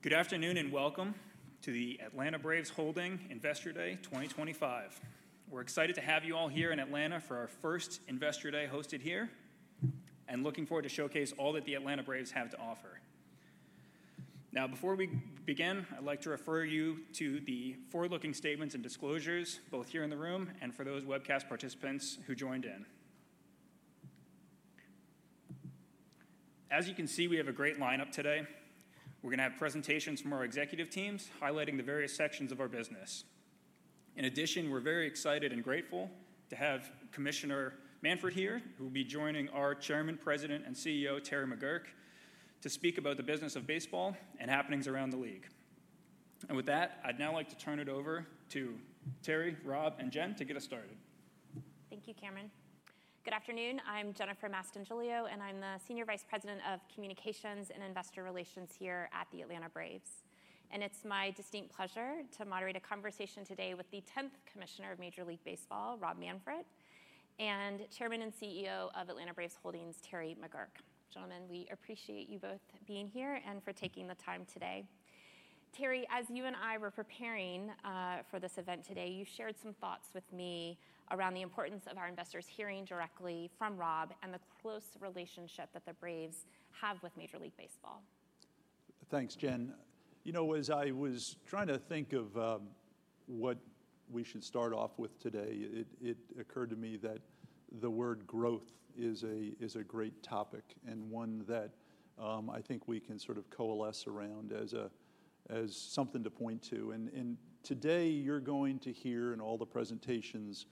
Good afternoon and welcome to the Atlanta Braves Holdings Investor Day 2025. We're excited to have you all here in Atlanta for our first Investor Day hosted here and looking forward to showcasing all that the Atlanta Braves have to offer. Now, before we begin, I'd like to refer you to the forward-looking statements and disclosures, both here in the room and for those webcast participants who joined in. As you can see, we have a great lineup today. We're going to have presentations from our executive teams highlighting the various sections of our business. In addition, we're very excited and grateful to have Commissioner Manfred here, who will be joining our Chairman, President, and CEO, Terry McGuirk, to speak about the business of baseball and happenings around the league. With that, I'd now like to turn it over to Terry, Rob, and Jen to get us started. Thank you, Cameron. Good afternoon. I'm Jennifer Mastroianni, and I'm the Senior Vice President of Communications and Investor Relations here at the Atlanta Braves. It's my distinct pleasure to moderate a conversation today with the 10th Commissioner of Major League Baseball, Rob Manfred, and Chairman and CEO of Atlanta Braves Holdings, Terry McGuirk. Gentlemen, we appreciate you both being here and for taking the time today. Terry, as you and I were preparing for this event today, you shared some thoughts with me around the importance of our investors hearing directly from Rob and the close relationship that the Braves have with Major League Baseball. Thanks, Jen. You know, as I was trying to think of what we should start off with today, it occurred to me that the word growth is a great topic and one that I think we can sort of coalesce around as something to point to. Today you're going to hear in all the presentations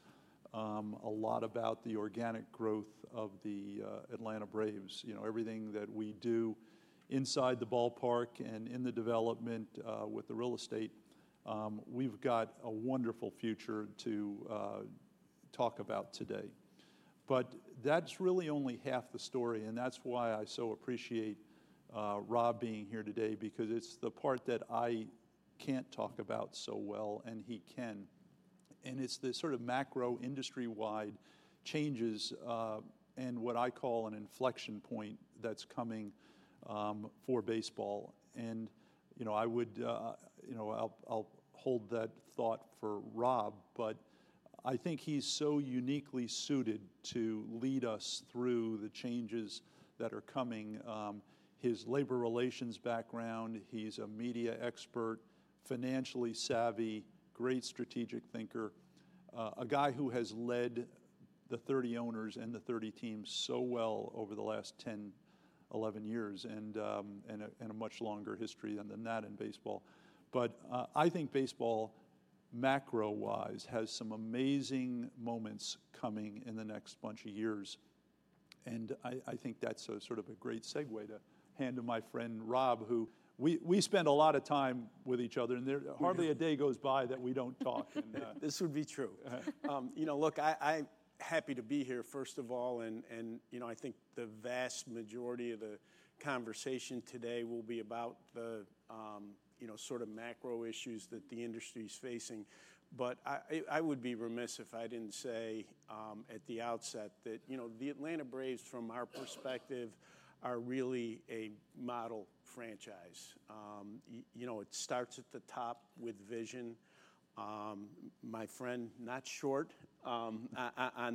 a lot about the organic growth of the Atlanta Braves. You know, everything that we do inside the ballpark and in the development with the real estate, we've got a wonderful future to talk about today. That's really only half the story. That's why I so appreciate Rob being here today, because it's the part that I can't talk about so well and he can. It's the sort of macro industry-wide changes and what I call an inflection point that's coming for baseball. You know, I would, you know, I'll hold that thought for Rob, but I think he's so uniquely suited to lead us through the changes that are coming. His labor relations background, he's a media expert, financially savvy, great strategic thinker, a guy who has led the 30 owners and the 30 teams so well over the last 10, 11 years and a much longer history than that in baseball. I think baseball, macro-wise, has some amazing moments coming in the next bunch of years. I think that's sort of a great segue to hand to my friend Rob, who we spend a lot of time with each other and hardly a day goes by that we don't talk. This would be true. You know, look, I'm happy to be here, first of all. And, you know, I think the vast majority of the conversation today will be about the, you know, sort of macro issues that the industry is facing. But I would be remiss if I didn't say at the outset that, you know, the Atlanta Braves, from our perspective, are really a model franchise. You know, it starts at the top with vision. My friend, not short on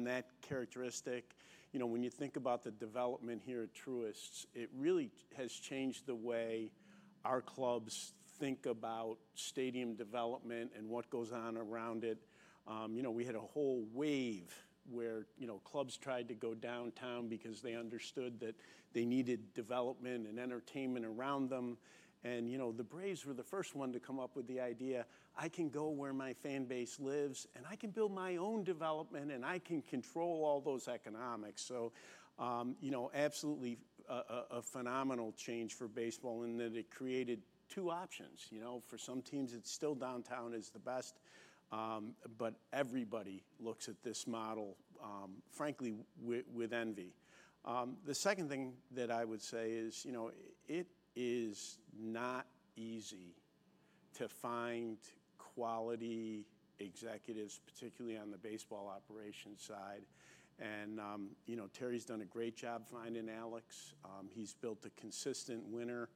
that characteristic. You know, when you think about the development here at Truist, it really has changed the way our clubs think about stadium development and what goes on around it. You know, we had a whole wave where, you know, clubs tried to go downtown because they understood that they needed development and entertainment around them. You know, the Braves were the first one to come up with the idea, I can go where my fan base lives and I can build my own development and I can control all those economics. You know, absolutely a phenomenal change for baseball in that it created two options. You know, for some teams, it's still downtown is the best, but everybody looks at this model, frankly, with envy. The second thing that I would say is, you know, it is not easy to find quality executives, particularly on the baseball operations side. You know, Terry's done a great job finding Alex. He's built a consistent winner.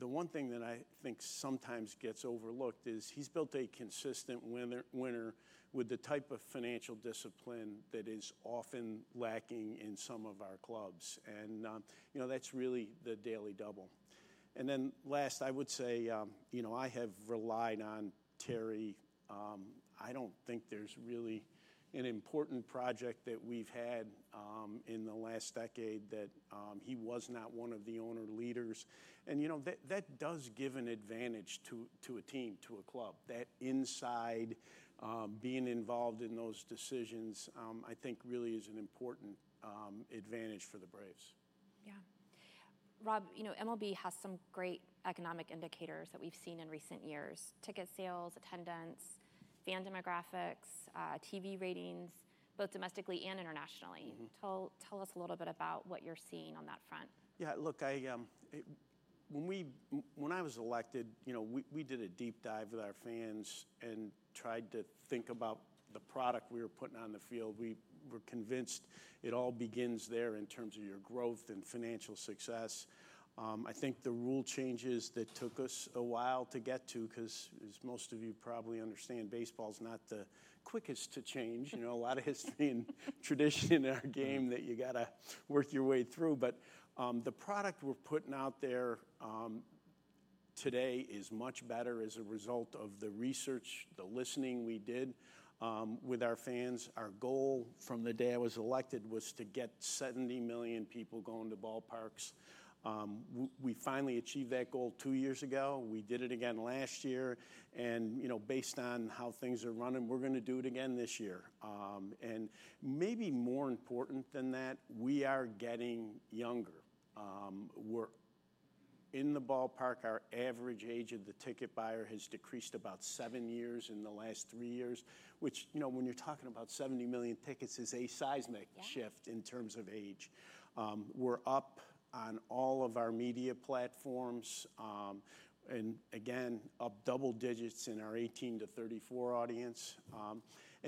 The one thing that I think sometimes gets overlooked is he's built a consistent winner with the type of financial discipline that is often lacking in some of our clubs. You know, that's really the daily double. Last, I would say, you know, I have relied on Terry. I do not think there is really an important project that we have had in the last decade that he was not one of the owner leaders. You know, that does give an advantage to a team, to a club. That inside being involved in those decisions, I think really is an important advantage for the Braves. Yeah. Rob, you know, MLB has some great economic indicators that we've seen in recent years: ticket sales, attendance, fan demographics, TV ratings, both domestically and internationally. Tell us a little bit about what you're seeing on that front. Yeah, look, when I was elected, you know, we did a deep dive with our fans and tried to think about the product we were putting on the field. We were convinced it all begins there in terms of your growth and financial success. I think the rule changes that took us a while to get to, because as most of you probably understand, baseball is not the quickest to change. You know, a lot of history and tradition in our game that you got to work your way through. But the product we're putting out there today is much better as a result of the research, the listening we did with our fans. Our goal from the day I was elected was to get 70 million people going to ballparks. We finally achieved that goal two years ago. We did it again last year. You know, based on how things are running, we're going to do it again this year. Maybe more important than that, we are getting younger. We're in the ballpark. Our average age of the ticket buyer has decreased about seven years in the last three years, which, you know, when you're talking about 70 million tickets is a seismic shift in terms of age. We're up on all of our media platforms and again, up double digits in our 18-34 audience.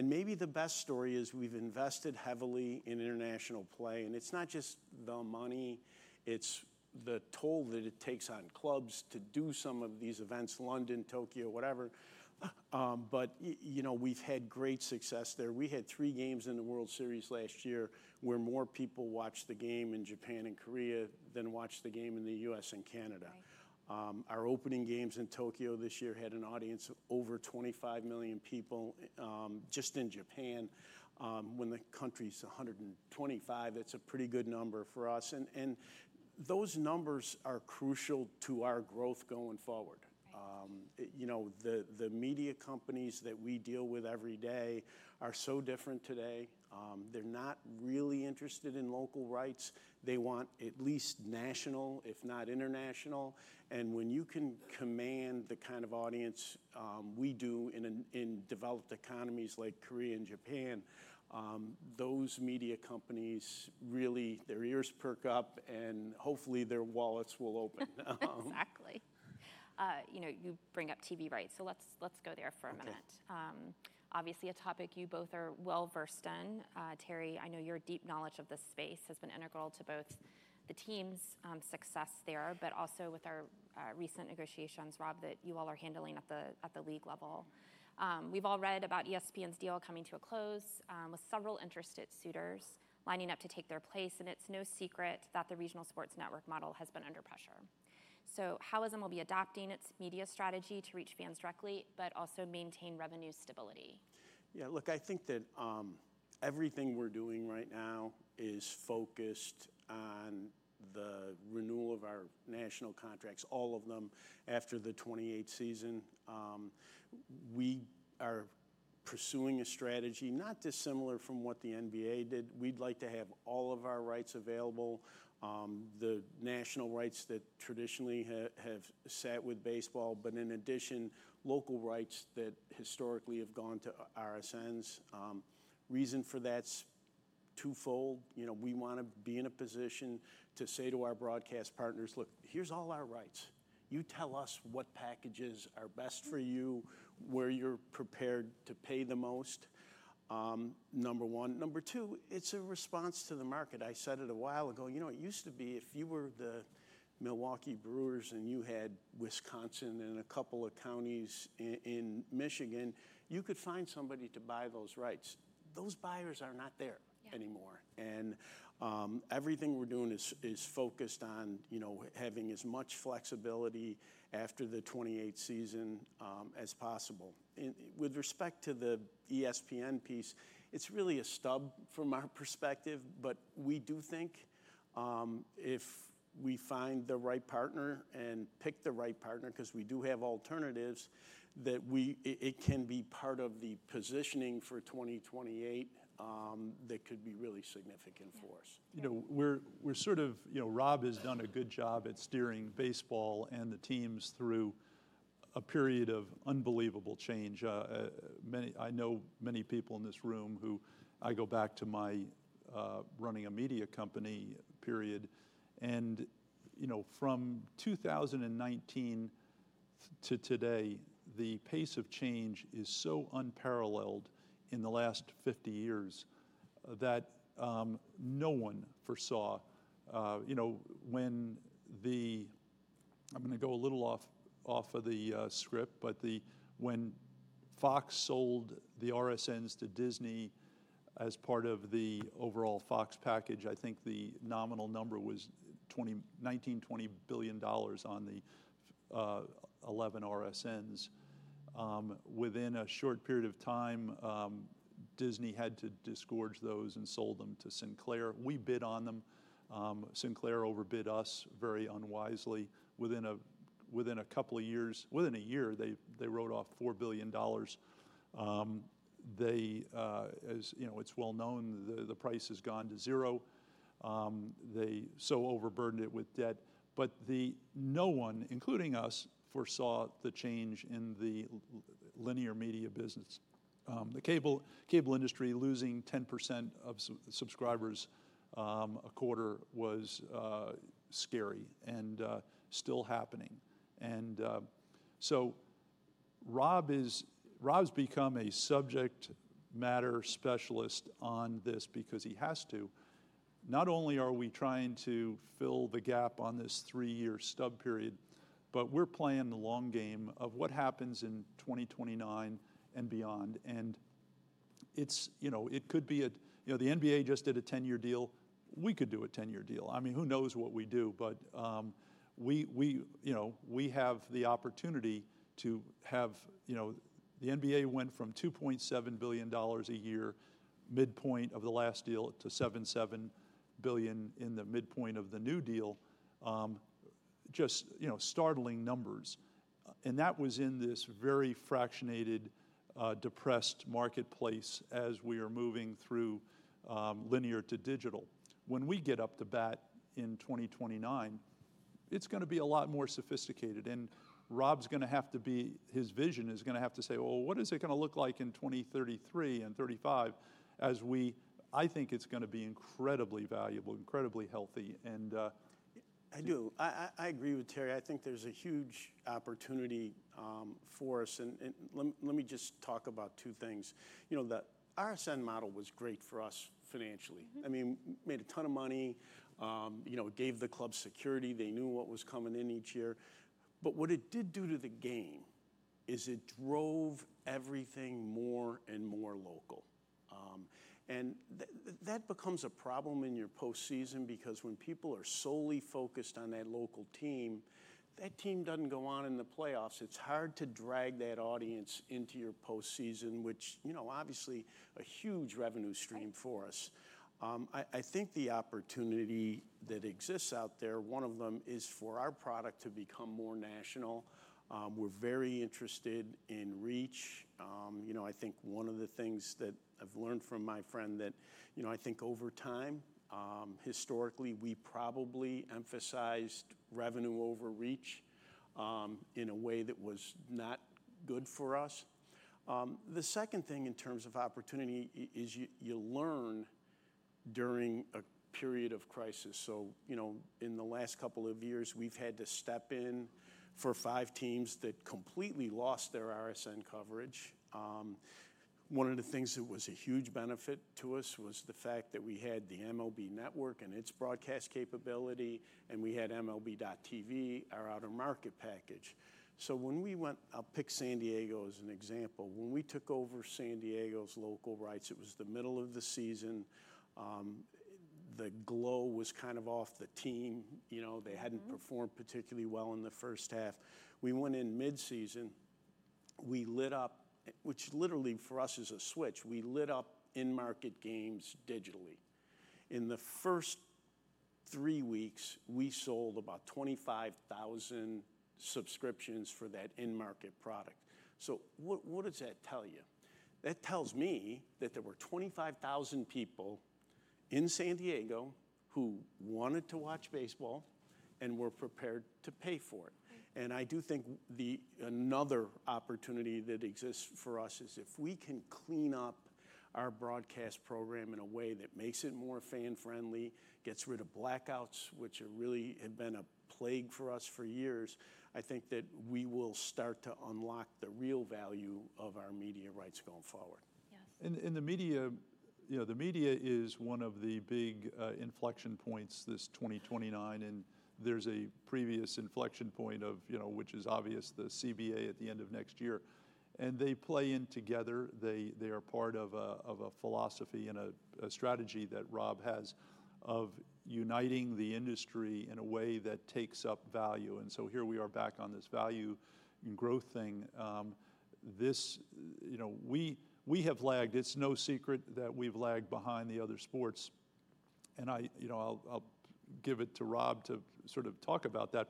Maybe the best story is we've invested heavily in international play. It's not just the money, it's the toll that it takes on clubs to do some of these events, London, Tokyo, whatever. You know, we've had great success there. We had three games in the World Series last year where more people watched the game in Japan and Korea than watched the game in the U.S. and Canada. Our opening games in Tokyo this year had an audience of over 25 million people just in Japan. When the country's 125, that's a pretty good number for us. And those numbers are crucial to our growth going forward. You know, the media companies that we deal with every day are so different today. They're not really interested in local rights. They want at least national, if not international. And when you can command the kind of audience we do in developed economies like Korea and Japan, those media companies really, their ears perk up and hopefully their wallets will open. Exactly. You know, you bring up TV rights. Let's go there for a minute. Obviously, a topic you both are well versed in. Terry, I know your deep knowledge of the space has been integral to both the team's success there, but also with our recent negotiations, Rob, that you all are handling at the league level. We've all read about ESPN's deal coming to a close with several interested suitors lining up to take their place. It's no secret that the regional sports network model has been under pressure. How is MLB adopting its media strategy to reach fans directly, but also maintain revenue stability? Yeah, look, I think that everything we're doing right now is focused on the renewal of our national contracts, all of them after the 2028 season. We are pursuing a strategy not dissimilar from what the NBA did. We'd like to have all of our rights available, the national rights that traditionally have sat with baseball, but in addition, local rights that historically have gone to RSNs. Reason for that's twofold. You know, we want to be in a position to say to our broadcast partners, look, here's all our rights. You tell us what packages are best for you, where you're prepared to pay the most, number one. Number two, it's a response to the market. I said it a while ago, you know, it used to be if you were the Milwaukee Brewers and you had Wisconsin and a couple of counties in Michigan, you could find somebody to buy those rights. Those buyers are not there anymore. Everything we're doing is focused on, you know, having as much flexibility after the 2028 season as possible. With respect to the ESPN piece, it's really a stub from our perspective, but we do think if we find the right partner and pick the right partner, because we do have alternatives, that it can be part of the positioning for 2028 that could be really significant for us. You know, we're sort of, you know, Rob has done a good job at steering baseball and the teams through a period of unbelievable change. I know many people in this room who I go back to my running a media company, period. And, you know, from 2019 to today, the pace of change is so unparalleled in the last 50 years that no one foresaw, you know, when the, I'm going to go a little off of the script, but when Fox sold the RSNs to Disney as part of the overall Fox package, I think the nominal number was $19 billion, $20 billion on the 11 RSNs. Within a short period of time, Disney had to disgorge those and sold them to Sinclair. We bid on them. Sinclair overbid us very unwisely. Within a couple of years, within a year, they wrote off $4 billion. They, as you know, it's well known, the price has gone to zero. They so overburdened it with debt. No one, including us, foresaw the change in the linear media business. The cable industry losing 10% of subscribers a quarter was scary and still happening. Rob has become a subject matter specialist on this because he has to. Not only are we trying to fill the gap on this three-year stub period, but we're playing the long game of what happens in 2029 and beyond. It's, you know, it could be a, you know, the NBA just did a 10-year deal. We could do a 10-year deal. I mean, who knows what we do, but we, you know, we have the opportunity to have, you know, the NBA went from $2.7 billion a year, midpoint of the last deal, to $7.7 billion in the midpoint of the new deal. Just, you know, startling numbers. That was in this very fractionated, depressed marketplace as we are moving through linear to digital. When we get up to bat in 2029, it's going to be a lot more sophisticated. Rob's going to have to be, his vision is going to have to say, what is it going to look like in 2033 and 2035 as we, I think it's going to be incredibly valuable, incredibly healthy. I do. I agree with Terry. I think there's a huge opportunity for us. And let me just talk about two things. You know, the RSN model was great for us financially. I mean, made a ton of money. You know, it gave the club security. They knew what was coming in each year. But what it did do to the game is it drove everything more and more local. And that becomes a problem in your postseason because when people are solely focused on that local team, that team doesn't go on in the playoffs. It's hard to drag that audience into your postseason, which, you know, obviously a huge revenue stream for us. I think the opportunity that exists out there, one of them is for our product to become more national. We're very interested in reach. You know, I think one of the things that I've learned from my friend that, you know, I think over time, historically, we probably emphasized revenue over reach in a way that was not good for us. The second thing in terms of opportunity is you learn during a period of crisis. You know, in the last couple of years, we've had to step in for five teams that completely lost their RSN coverage. One of the things that was a huge benefit to us was the fact that we had the MLB Network and its broadcast capability, and we had MLB.TV, our out-of-market package. When we went, I'll pick San Diego as an example. When we took over San Diego's local rights, it was the middle of the season. The glow was kind of off the team. You know, they hadn't performed particularly well in the first half. We went in mid-season. We lit up, which literally for us is a switch. We lit up in-market games digitally. In the first three weeks, we sold about 25,000 subscriptions for that in-market product. What does that tell you? That tells me that there were 25,000 people in San Diego who wanted to watch baseball and were prepared to pay for it. I do think another opportunity that exists for us is if we can clean up our broadcast program in a way that makes it more fan-friendly, gets rid of blackouts, which really have been a plague for us for years, I think that we will start to unlock the real value of our media rights going forward. Yes. The media, you know, the media is one of the big inflection points, this 2029. There is a previous inflection point, you know, which is obvious, the CBA at the end of next year. They play in together. They are part of a philosophy and a strategy that Rob has of uniting the industry in a way that takes up value. Here we are back on this value and growth thing. This, you know, we have lagged. It's no secret that we've lagged behind the other sports. I, you know, I'll give it to Rob to sort of talk about that.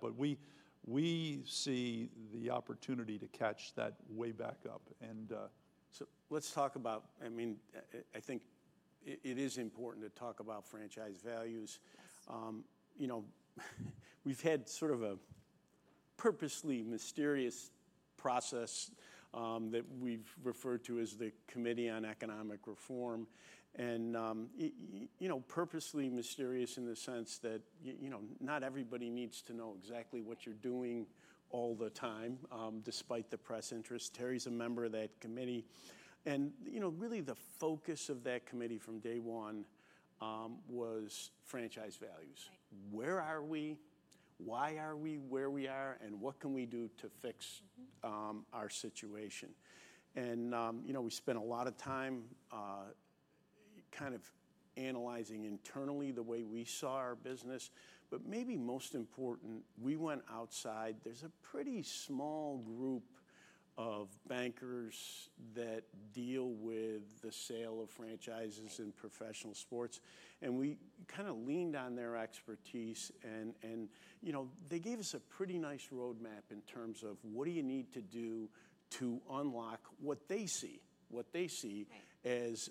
We see the opportunity to catch that way back up. Let's talk about, I mean, I think it is important to talk about franchise values. You know, we've had sort of a purposely mysterious process that we've referred to as the Committee on Economic Reform. You know, purposely mysterious in the sense that, you know, not everybody needs to know exactly what you're doing all the time, despite the press interest. Terry's a member of that committee. You know, really the focus of that committee from day one was franchise values. Where are we? Why are we where we are? What can we do to fix our situation? You know, we spent a lot of time kind of analyzing internally the way we saw our business. Maybe most important, we went outside. There's a pretty small group of bankers that deal with the sale of franchises in professional sports. We kind of leaned on their expertise. You know, they gave us a pretty nice roadmap in terms of what do you need to do to unlock what they see as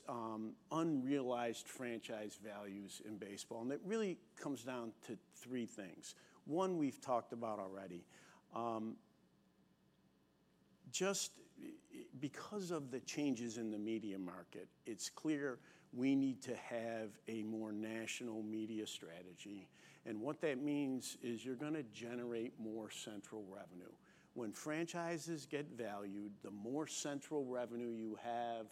unrealized franchise values in baseball. It really comes down to three things. One, we've talked about already. Just because of the changes in the media market, it's clear we need to have a more national media strategy. What that means is you're going to generate more central revenue. When franchises get valued, the more central revenue you have,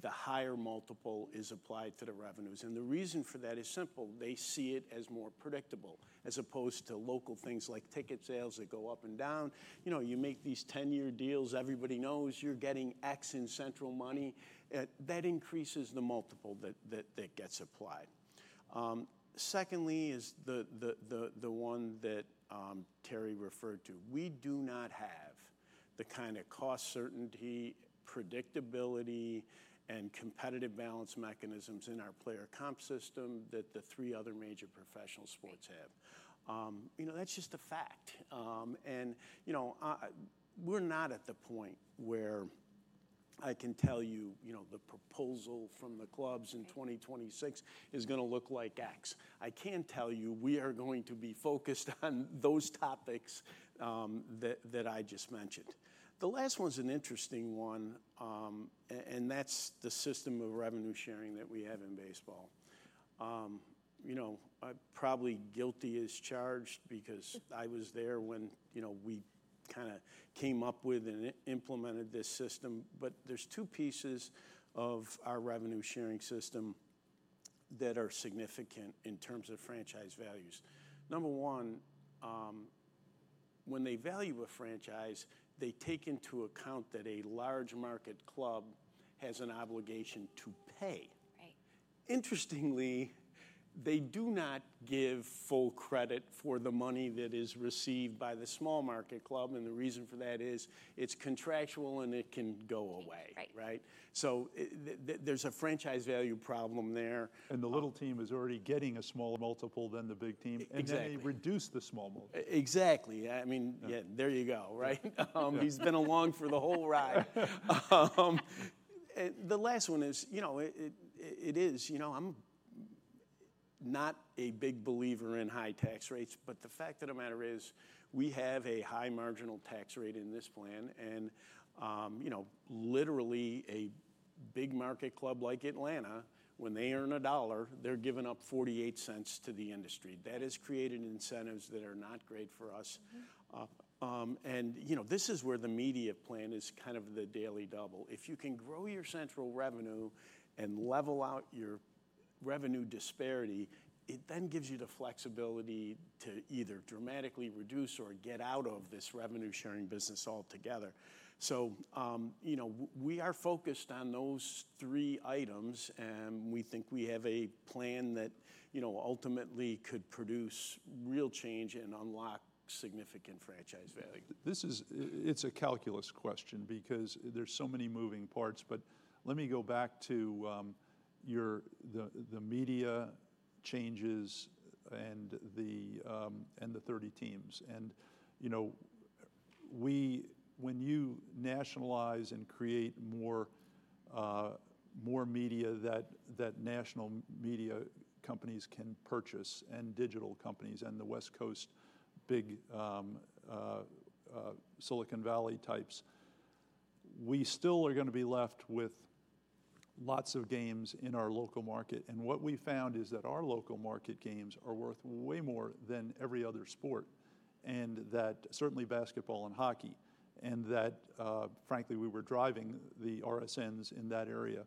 the higher multiple is applied to the revenues. The reason for that is simple. They see it as more predictable as opposed to local things like ticket sales that go up and down. You know, you make these 10-year deals, everybody knows you're getting X in central money. That increases the multiple that gets applied. Secondly is the one that Terry referred to. We do not have the kind of cost certainty, predictability, and competitive balance mechanisms in our player comp system that the three other major professional sports have. You know, that's just a fact. You know, we're not at the point where I can tell you, you know, the proposal from the clubs in 2026 is going to look like X. I can tell you we are going to be focused on those topics that I just mentioned. The last one's an interesting one. That's the system of revenue sharing that we have in baseball. You know, I'm probably guilty as charged because I was there when, you know, we kind of came up with and implemented this system. There are two pieces of our revenue sharing system that are significant in terms of franchise values. Number one, when they value a franchise, they take into account that a large market club has an obligation to pay. Interestingly, they do not give full credit for the money that is received by the small market club. The reason for that is it's contractual and it can go away, right? So there's a franchise value problem there. The little team is already getting a small multiple than the big team. Then they reduce the small multiple. Exactly. I mean, there you go, right? He's been along for the whole ride. The last one is, you know, it is, you know, I'm not a big believer in high tax rates. The fact of the matter is we have a high marginal tax rate in this plan. You know, literally a big market club like Atlanta, when they earn a dollar, they're giving up 48% to the industry. That has created incentives that are not great for us. You know, this is where the media plan is kind of the daily double. If you can grow your central revenue and level out your revenue disparity, it then gives you the flexibility to either dramatically reduce or get out of this revenue sharing business altogether. You know, we are focused on those three items. We think we have a plan that, you know, ultimately could produce real change and unlock significant franchise value. This is, it's a calculus question because there's so many moving parts. Let me go back to your, the media changes and the 30 teams. You know, we, when you nationalize and create more media that national media companies can purchase and digital companies and the West Coast, big Silicon Valley types, we still are going to be left with lots of games in our local market. What we found is that our local market games are worth way more than every other sport. That certainly basketball and hockey. Frankly, we were driving the RSNs in that area.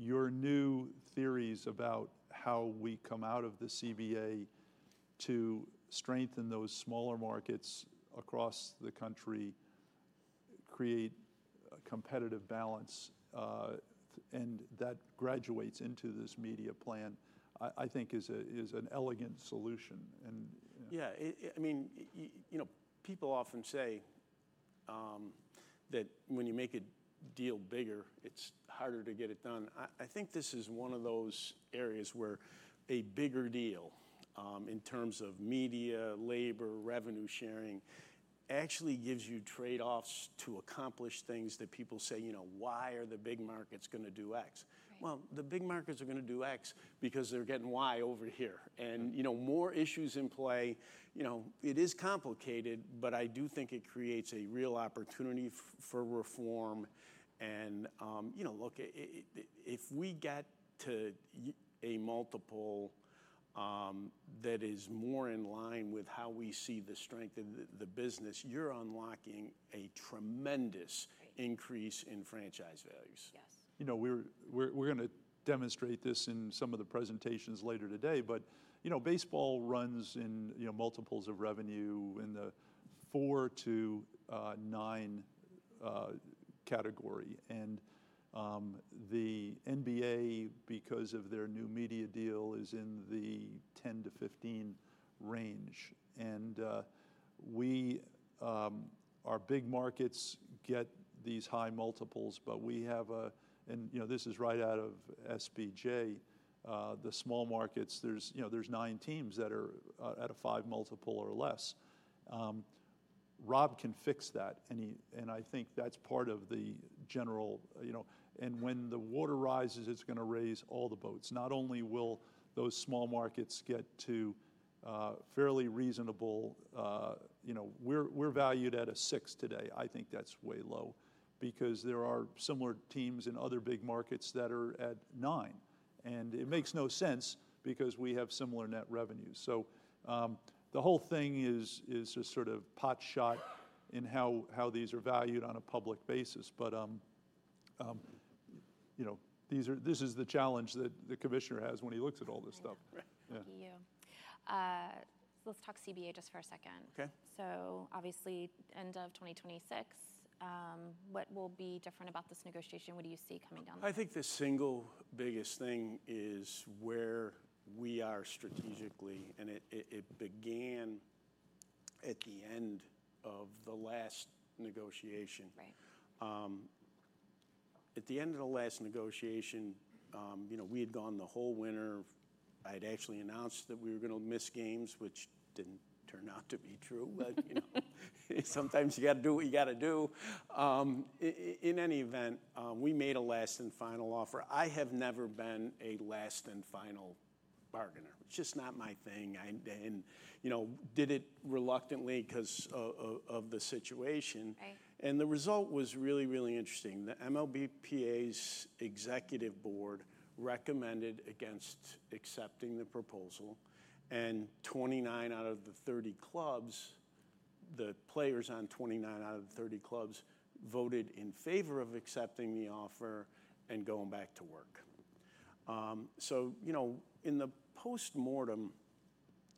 Your new theories about how we come out of the CBA to strengthen those smaller markets across the country, create a competitive balance, and that graduates into this media plan, I think is an elegant solution. Yeah. I mean, you know, people often say that when you make a deal bigger, it's harder to get it done. I think this is one of those areas where a bigger deal in terms of media, labor, revenue sharing actually gives you trade-offs to accomplish things that people say, you know, why are the big markets going to do X? The big markets are going to do X because they're getting Y over here. You know, more issues in play. You know, it is complicated, but I do think it creates a real opportunity for reform. You know, look, if we get to a multiple that is more in line with how we see the strength of the business, you're unlocking a tremendous increase in franchise values. Yes. You know, we're going to demonstrate this in some of the presentations later today. But, you know, baseball runs in, you know, multiples of revenue in the four to nine category. And the NBA, because of their new media deal, is in the 10-15 range. And we, our big markets get these high multiples, but we have a, and, you know, this is right out of SBJ, the small markets, there's, you know, there's nine teams that are at a five multiple or less. Rob can fix that. I think that's part of the general, you know, and when the water rises, it's going to raise all the boats. Not only will those small markets get to fairly reasonable, you know, we're valued at a six today. I think that's way low because there are similar teams in other big markets that are at nine. It makes no sense because we have similar net revenues. The whole thing is just sort of pot shot in how these are valued on a public basis. You know, this is the challenge that the commissioner has when he looks at all this stuff. Thank you. Let's talk CBA just for a second. Okay. Obviously, end of 2026, what will be different about this negotiation? What do you see coming down the line? I think the single biggest thing is where we are strategically. It began at the end of the last negotiation. Right. At the end of the last negotiation, you know, we had gone the whole winter. I had actually announced that we were going to miss games, which did not turn out to be true. You know, sometimes you got to do what you got to do. In any event, we made a last and final offer. I have never been a last and final bargainer. It's just not my thing. You know, did it reluctantly because of the situation. The result was really, really interesting. The MLBPA's executive board recommended against accepting the proposal. Twenty-nine out of the thirty clubs, the players on twenty-nine out of the thirty clubs, voted in favor of accepting the offer and going back to work. You know, in the postmortem,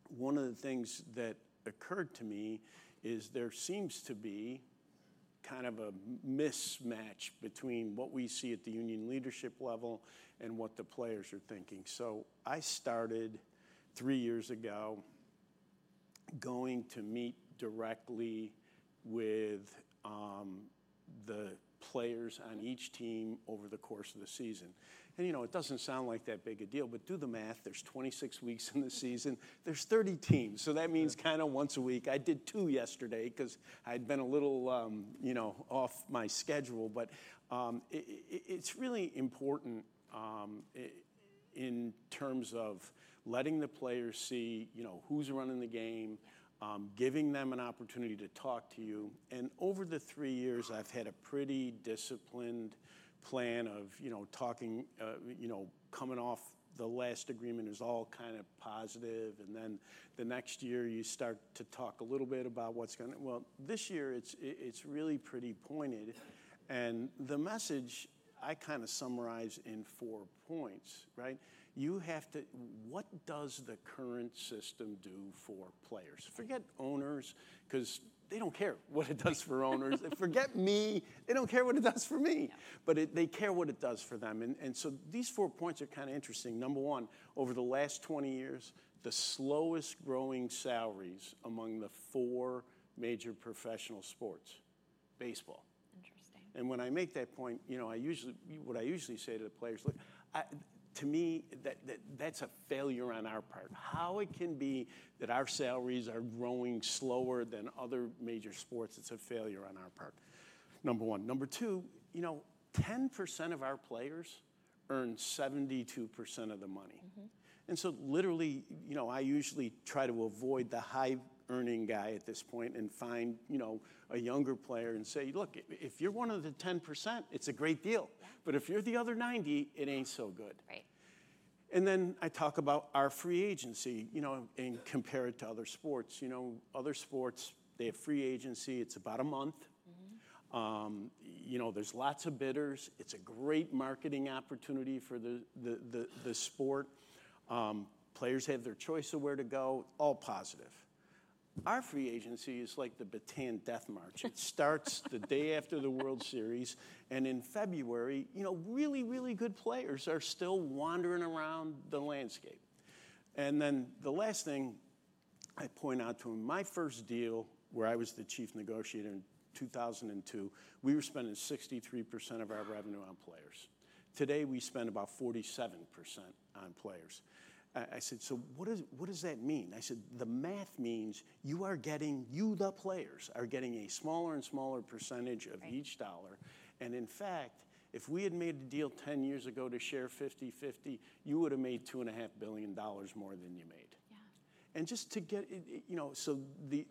one of the things that occurred to me is there seems to be kind of a mismatch between what we see at the union leadership level and what the players are thinking. I started three years ago going to meet directly with the players on each team over the course of the season. You know, it does not sound like that big a deal, but do the math. There are 26 weeks in the season. There are 30 teams. That means kind of once a week. I did two yesterday because I had been a little, you know, off my schedule. It is really important in terms of letting the players see, you know, who is running the game, giving them an opportunity to talk to you. Over the three years, I've had a pretty disciplined plan of, you know, talking, you know, coming off the last agreement is all kind of positive. The next year you start to talk a little bit about what's going on. This year it's really pretty pointed. The message I kind of summarize in four points, right? You have to, what does the current system do for players? Forget owners because they don't care what it does for owners. Forget me. They don't care what it does for me. They care what it does for them. These four points are kind of interesting. Number one, over the last 20 years, the slowest growing salaries among the four major professional sports, baseball. Interesting. When I make that point, you know, I usually, what I usually say to the players, look, to me, that's a failure on our part. How it can be that our salaries are growing slower than other major sports, it's a failure on our part. Number one. Number two, you know, 10% of our players earn 72% of the money. And so literally, you know, I usually try to avoid the high earning guy at this point and find, you know, a younger player and say, look, if you're one of the 10%, it's a great deal. But if you're the other 90, it ain't so good. Right. I talk about our free agency, you know, and compare it to other sports. You know, other sports, they have free agency. It's about a month. You know, there's lots of bidders. It's a great marketing opportunity for the sport. Players have their choice of where to go. All positive. Our free agency is like the Bataan Death March. It starts the day after the World Series. In February, you know, really, really good players are still wandering around the landscape. The last thing I point out to them, my first deal where I was the chief negotiator in 2002, we were spending 63% of our revenue on players. Today we spend about 47% on players. I said, so what does that mean? I said, the math means you are getting, you the players are getting a smaller and smaller percentage of each dollar. If we had made a deal 10 years ago to share 50/50, you would have made $2.5 billion more than you made. Yeah. Just to get, you know, so the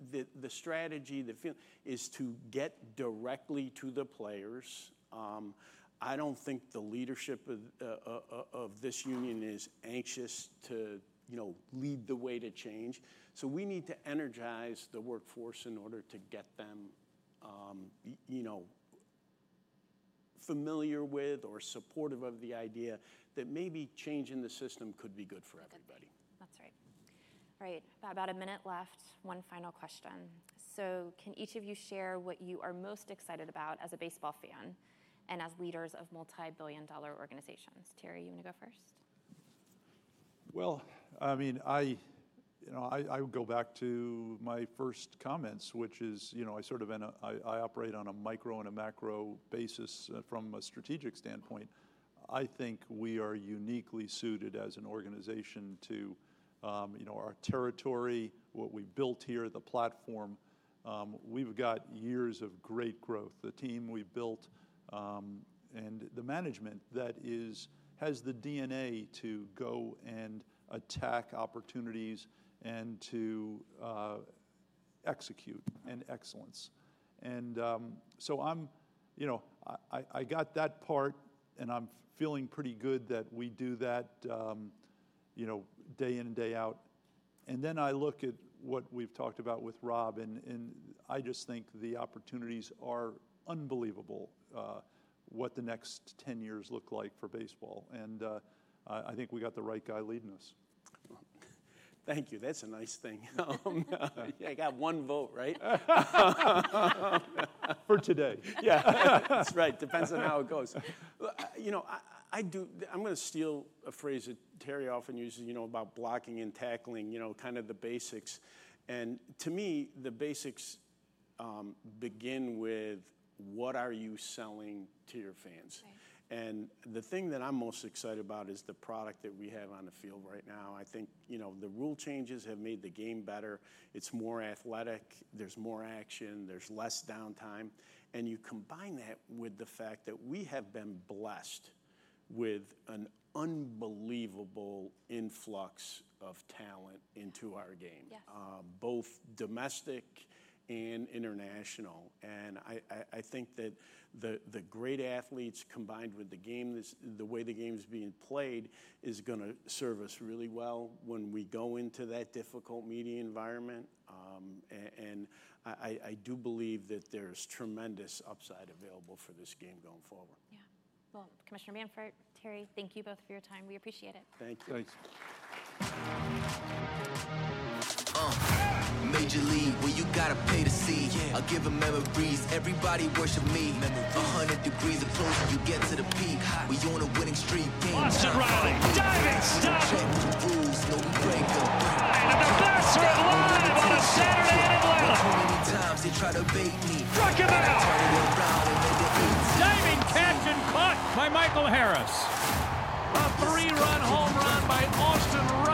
strategy, the feeling is to get directly to the players. I don't think the leadership of this union is anxious to, you know, lead the way to change. We need to energize the workforce in order to get them, you know, familiar with or supportive of the idea that maybe changing the system could be good for everybody. That's right. All right. About a minute left. One final question. Can each of you share what you are most excited about as a baseball fan and as leaders of multi-billion dollar organizations? Terry, you want to go first? I mean, I, you know, I would go back to my first comments, which is, you know, I sort of, I operate on a micro and a macro basis from a strategic standpoint. I think we are uniquely suited as an organization to, you know, our territory, what we've built here, the platform. We've got years of great growth. The team we've built and the management that has the DNA to go and attack opportunities and to execute and excellence. I got that part and I'm feeling pretty good that we do that, you know, day in and day out. I look at what we've talked about with Rob and I just think the opportunities are unbelievable what the next 10 years look like for baseball. I think we got the right guy leading us. Thank you. That's a nice thing. I got one vote, right? For today. Yeah. That's right. Depends on how it goes. You know, I do, I'm going to steal a phrase that Terry often uses, you know, about blocking and tackling, you know, kind of the basics. To me, the basics begin with what are you selling to your fans? The thing that I'm most excited about is the product that we have on the field right now. I think, you know, the rule changes have made the game better. It's more athletic. There's more action. There's less downtime. You combine that with the fact that we have been blessed with an unbelievable influx of talent into our game, both domestic and international. I think that the great athletes combined with the game, the way the game is being played is going to serve us really well when we go into that difficult media environment. I do believe that there's tremendous upside available for this game going forward. Yeah. Commissioner Manfred, Terry, thank you both for your time. We appreciate it. Thank you. Thanks. Major League, where you gotta pay to see. I give 'em memories. Everybody worship me. A hundred degrees of closure, you get to the peak. We on a winning streak. Austin Riley, dive in, stop him. Show 'em the rules, no rebreaker. A blessed revive on a Saturday in Atlanta. How many times they tried to bait me? Strike him out. Turn it around and make it easy. Dive in, catch and cut. My Michael Harris. A three-run home run by Austin Riley.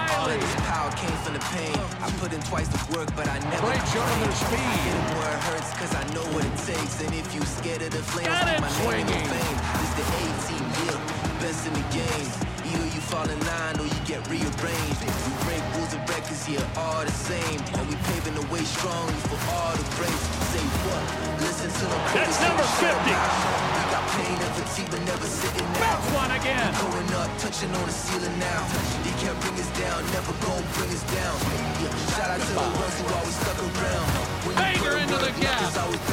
Power came from the pain. I put in twice the work, but I never got it. Great job on the speed. I hit 'em where it hurts 'cause I know what it takes. If you scared of the flames, I'm a name on the fame. This the A-Team deal, best in the game. Either you fall in line or you get rear-brained. We break rules and records, yeah, all the same. We paving the way strongly for all the brave. Say what? Listen to 'em put it to the test. Never failed out. We got pain and fatigue, but never sitting down. Back one again. Going up, touching on the ceiling now. He can't bring us down, never gonna bring us down. Shout out to the ones who always stuck around. Finger into the gas. 'Cause I always back around. This the A-Team. Break one. For the whole town. Make it history here when we go down. Get it. This is the A-Team. A-Team.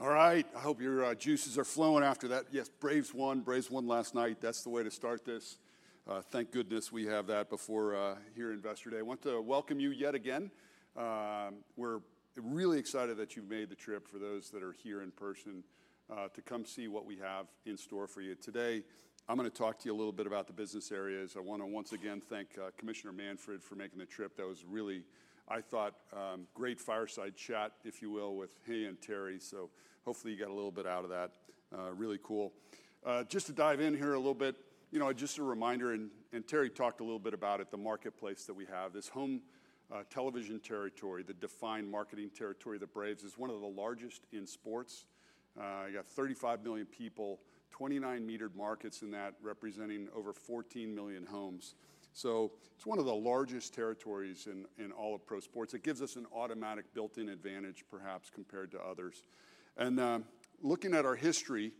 All right. I hope your juices are flowing after that. Yes, Braves won, Braves won last night. That's the way to start this. Thank goodness we have that before here in yesterday. I want to welcome you yet again. We're really excited that you've made the trip for those that are here in person to come see what we have in store for you. Today, I'm going to talk to you a little bit about the business areas. I want to once again thank Commissioner Manfred for making the trip. That was really, I thought, great fireside chat, if you will, with he and Terry. Hopefully you got a little bit out of that. Really cool. Just to dive in here a little bit, you know, just a reminder, and Terry talked a little bit about it, the marketplace that we have, this home television territory, the defined marketing territory, the Braves is one of the largest in sports. You got 35 million people, 29 metered markets in that representing over 14 million homes. It is one of the largest territories in all of pro sports. It gives us an automatic built-in advantage, perhaps, compared to others. Looking at our history,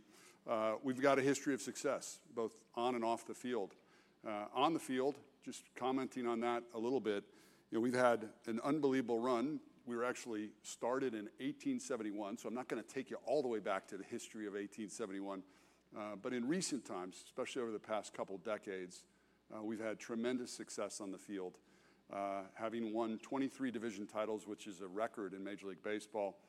we've got a history of success both on and off the field. On the field, just commenting on that a little bit, you know, we've had an unbelievable run. We were actually started in 1871. I am not going to take you all the way back to the history of 1871. In recent times, especially over the past couple of decades, we've had tremendous success on the field, having won 23 division titles, which is a record in Major League Baseball.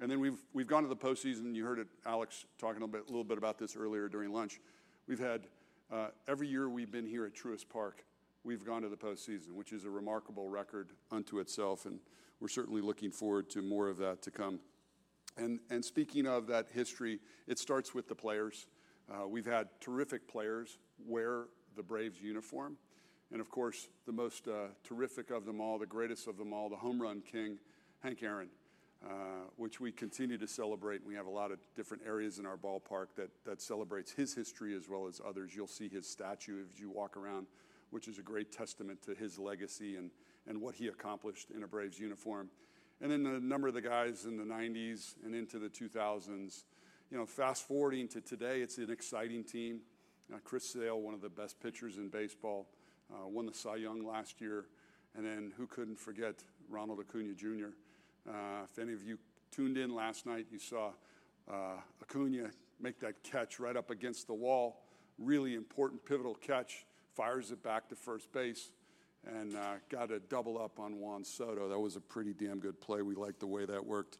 We have gone to the postseason. You heard Alex talking a little bit about this earlier during lunch. Every year we've been here at Truist Park, we've gone to the postseason, which is a remarkable record unto itself. We are certainly looking forward to more of that to come. Speaking of that history, it starts with the players. We've had terrific players wear the Braves uniform. Of course, the most terrific of them all, the greatest of them all, the home run king, Hank Aaron, whom we continue to celebrate. We have a lot of different areas in our ballpark that celebrate his history as well as others. You'll see his statue as you walk around, which is a great testament to his legacy and what he accomplished in a Braves uniform. And then a number of the guys in the 1990s and into the 2000s, you know, fast forwarding to today, it's an exciting team. Chris Sale, one of the best pitchers in baseball, won the Cy Young last year. And then who couldn't forget Ronald Acuña Jr. If any of you tuned in last night, you saw Acuña make that catch right up against the wall. Really important pivotal catch, fires it back to first base and got a double up on Juan Soto. That was a pretty damn good play. We liked the way that worked.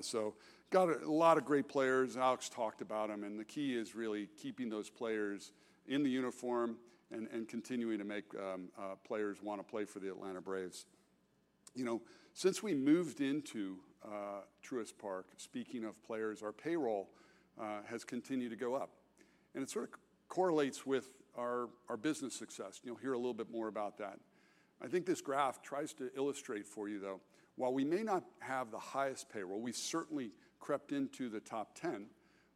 So got a lot of great players. Alex talked about them. The key is really keeping those players in the uniform and continuing to make players want to play for the Atlanta Braves. You know, since we moved into Truist Park, speaking of players, our payroll has continued to go up. It sort of correlates with our business success. You'll hear a little bit more about that. I think this graph tries to illustrate for you though, while we may not have the highest payroll, we certainly crept into the top 10,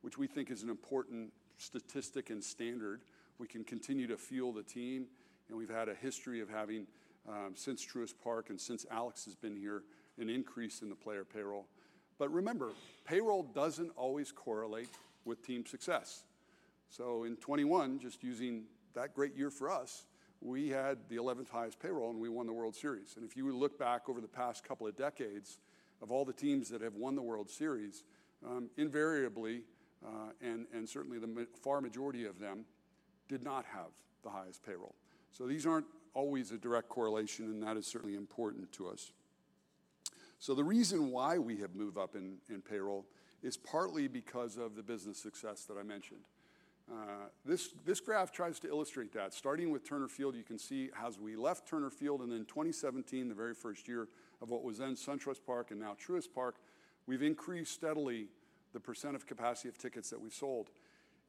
which we think is an important statistic and standard. We can continue to fuel the team. We've had a history of having, since Truist Park and since Alex has been here, an increase in the player payroll. Remember, payroll doesn't always correlate with team success. In 2021, just using that great year for us, we had the 11th highest payroll and we won the World Series. If you look back over the past couple of decades of all the teams that have won the World Series, invariably, and certainly the far majority of them did not have the highest payroll. These are not always a direct correlation and that is certainly important to us. The reason why we have moved up in payroll is partly because of the business success that I mentioned. This graph tries to illustrate that. Starting with Turner Field, you can see as we left Turner Field and then 2017, the very first year of what was then SunTrust Park and now Truist Park, we have increased steadily the % of capacity of tickets that we sold.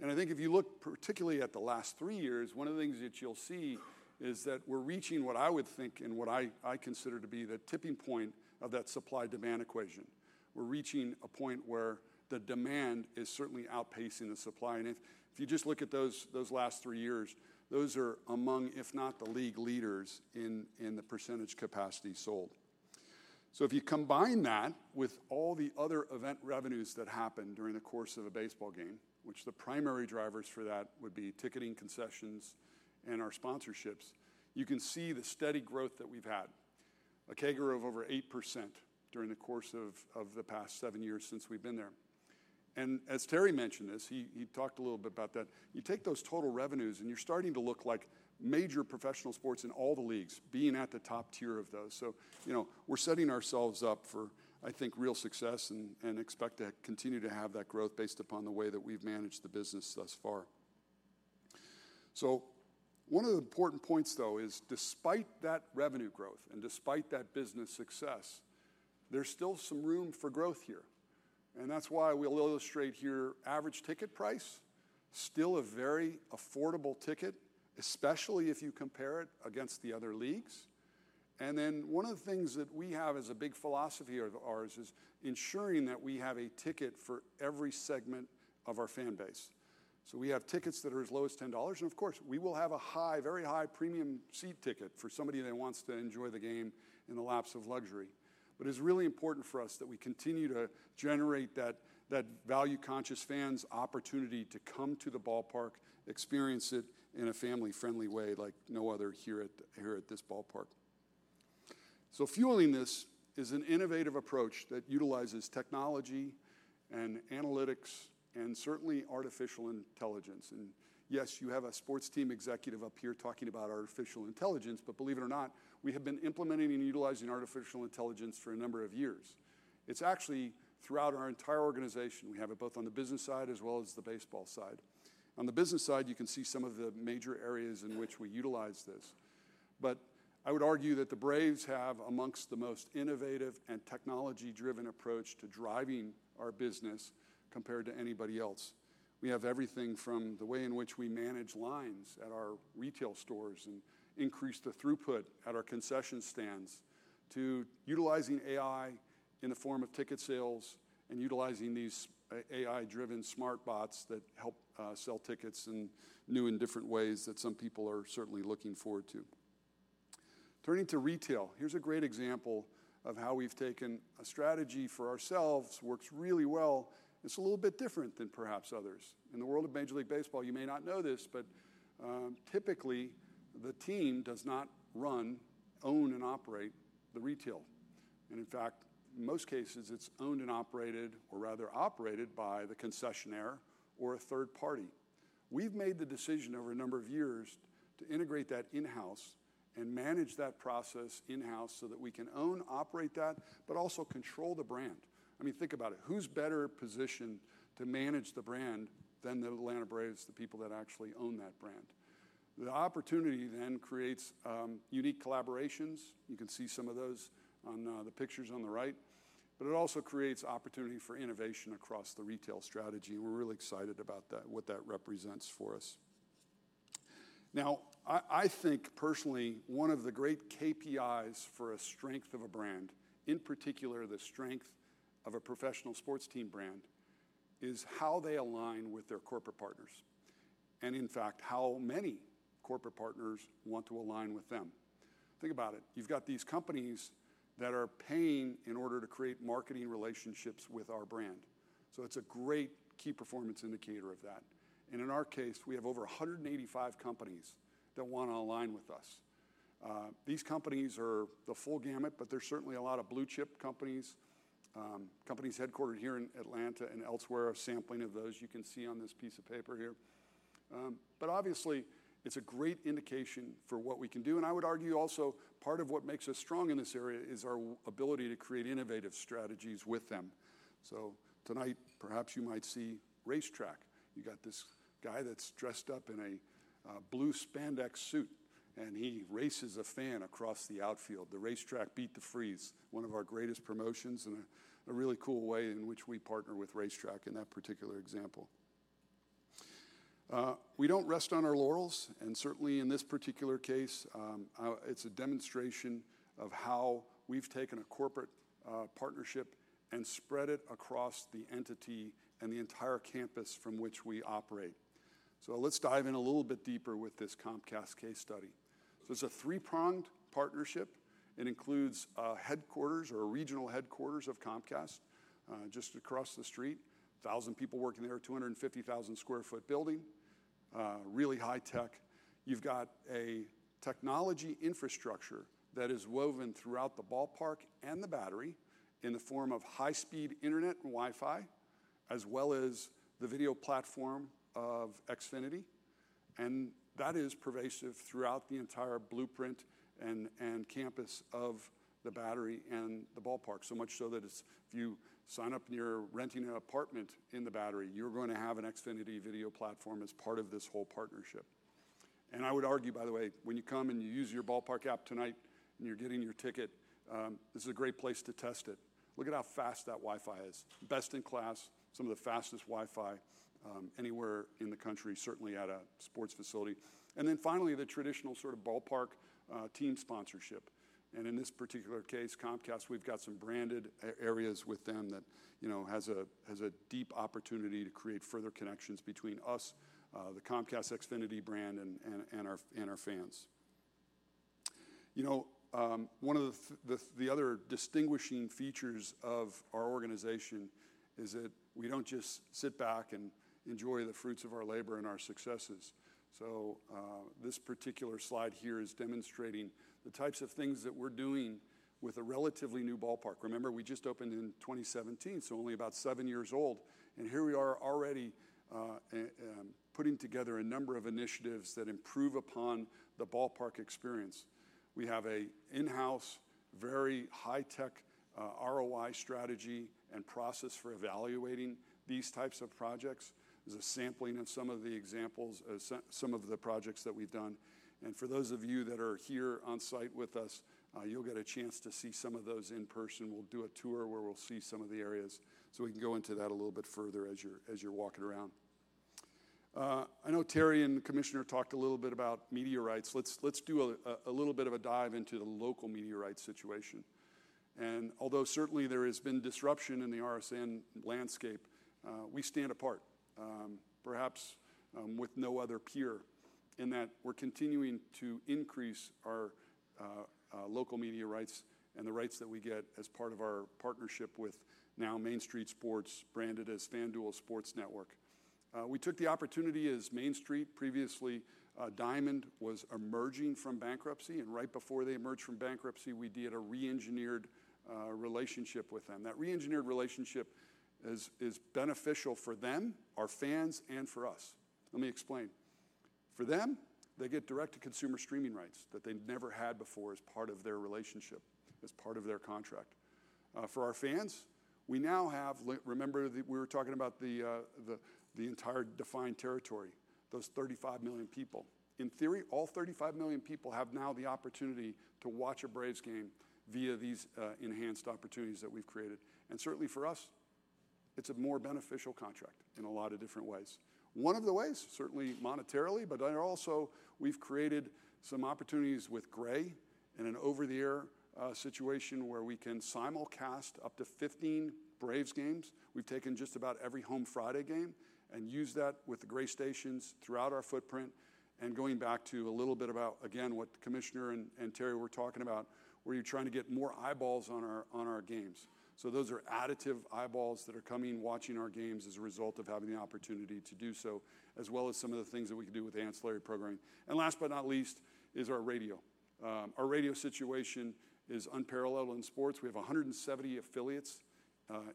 I think if you look particularly at the last three years, one of the things that you'll see is that we're reaching what I would think and what I consider to be the tipping point of that supply-demand equation. We're reaching a point where the demand is certainly outpacing the supply. If you just look at those last three years, those are among, if not the league leaders in the % capacity sold. If you combine that with all the other event revenues that happen during the course of a baseball game, which the primary drivers for that would be ticketing, concessions, and our sponsorships, you can see the steady growth that we've had, a CAGR of over 8% during the course of the past seven years since we've been there. As Terry mentioned this, he talked a little bit about that. You take those total revenues and you're starting to look like major professional sports in all the leagues being at the top tier of those. You know, we're setting ourselves up for, I think, real success and expect to continue to have that growth based upon the way that we've managed the business thus far. One of the important points though is despite that revenue growth and despite that business success, there's still some room for growth here. That's why we'll illustrate here average ticket price, still a very affordable ticket, especially if you compare it against the other leagues. One of the things that we have as a big philosophy of ours is ensuring that we have a ticket for every segment of our fan base. We have tickets that are as low as $10. Of course, we will have a high, very high premium seat ticket for somebody that wants to enjoy the game in the lap of luxury. It is really important for us that we continue to generate that value-conscious fans opportunity to come to the ballpark, experience it in a family-friendly way like no other here at this ballpark. Fueling this is an innovative approach that utilizes technology and analytics and certainly artificial intelligence. Yes, you have a sports team executive up here talking about artificial intelligence, but believe it or not, we have been implementing and utilizing artificial intelligence for a number of years. It is actually throughout our entire organization. We have it both on the business side as well as the baseball side. On the business side, you can see some of the major areas in which we utilize this. I would argue that the Braves have amongst the most innovative and technology-driven approach to driving our business compared to anybody else. We have everything from the way in which we manage lines at our retail stores and increase the throughput at our concession stands to utilizing AI in the form of ticket sales and utilizing these AI-driven smart bots that help sell tickets in new and different ways that some people are certainly looking forward to. Turning to retail, here's a great example of how we've taken a strategy for ourselves, works really well. It's a little bit different than perhaps others. In the world of Major League Baseball, you may not know this, but typically the team does not run, own and operate the retail. In fact, in most cases, it's owned and operated, or rather operated by the concessionaire or a third party. We've made the decision over a number of years to integrate that in-house and manage that process in-house so that we can own and operate that, but also control the brand. I mean, think about it. Who's better positioned to manage the brand than the Atlanta Braves, the people that actually own that brand? The opportunity then creates unique collaborations. You can see some of those on the pictures on the right. It also creates opportunity for innovation across the retail strategy. We're really excited about that, what that represents for us. Now, I think personally, one of the great KPIs for a strength of a brand, in particular the strength of a professional sports team brand, is how they align with their corporate partners. In fact, how many corporate partners want to align with them. Think about it. You've got these companies that are paying in order to create marketing relationships with our brand. It's a great key performance indicator of that. In our case, we have over 185 companies that want to align with us. These companies are the full gamut, but there's certainly a lot of blue chip companies, companies headquartered here in Atlanta and elsewhere. A sampling of those you can see on this piece of paper here. Obviously, it's a great indication for what we can do. I would argue also part of what makes us strong in this area is our ability to create innovative strategies with them. Tonight, perhaps you might see Racetrack. You got this guy that's dressed up in a blue Spandex suit, and he races a fan across the outfield. The Racetrack beat the freeze, one of our greatest promotions in a really cool way in which we partner with Racetrack in that particular example. We don't rest on our laurels. Certainly in this particular case, it's a demonstration of how we've taken a corporate partnership and spread it across the entity and the entire campus from which we operate. Let's dive in a little bit deeper with this Comcast case study. It's a three-pronged partnership. It includes headquarters or regional headquarters of Comcast just across the street, 1,000 people working there, 250,000 sq ft building, really high tech. You've got a technology infrastructure that is woven throughout the ballpark and The Battery in the form of high-speed internet and Wi-Fi, as well as the video platform of Xfinity. That is pervasive throughout the entire blueprint and campus of The Battery and the ballpark. So much so that if you sign up and you're renting an apartment in The Battery, you're going to have an Xfinity video platform as part of this whole partnership. I would argue, by the way, when you come and you use your ballpark app tonight and you're getting your ticket, this is a great place to test it. Look at how fast that Wi-Fi is. Best in class, some of the fastest Wi-Fi anywhere in the country, certainly at a sports facility. Finally, the traditional sort of ballpark team sponsorship. In this particular case, Comcast, we've got some branded areas with them that has a deep opportunity to create further connections between us, the Comcast Xfinity brand, and our fans. You know, one of the other distinguishing features of our organization is that we don't just sit back and enjoy the fruits of our labor and our successes. This particular slide here is demonstrating the types of things that we're doing with a relatively new ballpark. Remember, we just opened in 2017, so only about seven years old. Here we are already putting together a number of initiatives that improve upon the ballpark experience. We have an in-house, very high-tech ROI strategy and process for evaluating these types of projects. There's a sampling of some of the examples, some of the projects that we've done. For those of you that are here on site with us, you'll get a chance to see some of those in person. We'll do a tour where we'll see some of the areas. We can go into that a little bit further as you're walking around. I know Terry and Commissioner talked a little bit about media rights. Let's do a little bit of a dive into the local media rights situation. Although certainly there has been disruption in the RSN landscape, we stand apart, perhaps with no other peer, in that we're continuing to increase our local media rights and the rights that we get as part of our partnership with now Main Street Sports, branded as FanDuel Sports Network. We took the opportunity as Main Street, previously Diamond, was emerging from bankruptcy. Right before they emerged from bankruptcy, we did a re-engineered relationship with them. That re-engineered relationship is beneficial for them, our fans, and for us. Let me explain. For them, they get direct-to-consumer streaming rights that they never had before as part of their relationship, as part of their contract. For our fans, we now have, remember that we were talking about the entire defined territory, those 35 million people. In theory, all 35 million people have now the opportunity to watch a Braves game via these enhanced opportunities that we've created. Certainly for us, it's a more beneficial contract in a lot of different ways. One of the ways, certainly monetarily, but also we've created some opportunities with Gray and an over-the-air situation where we can simulcast up to 15 Braves games. We've taken just about every home Friday game and used that with the Gray stations throughout our footprint. Going back to a little bit about, again, what Commissioner and Terry were talking about, we're trying to get more eyeballs on our games. Those are additive eyeballs that are coming, watching our games as a result of having the opportunity to do so, as well as some of the things that we can do with the ancillary programming. Last but not least is our radio. Our radio situation is unparalleled in sports. We have 170 affiliates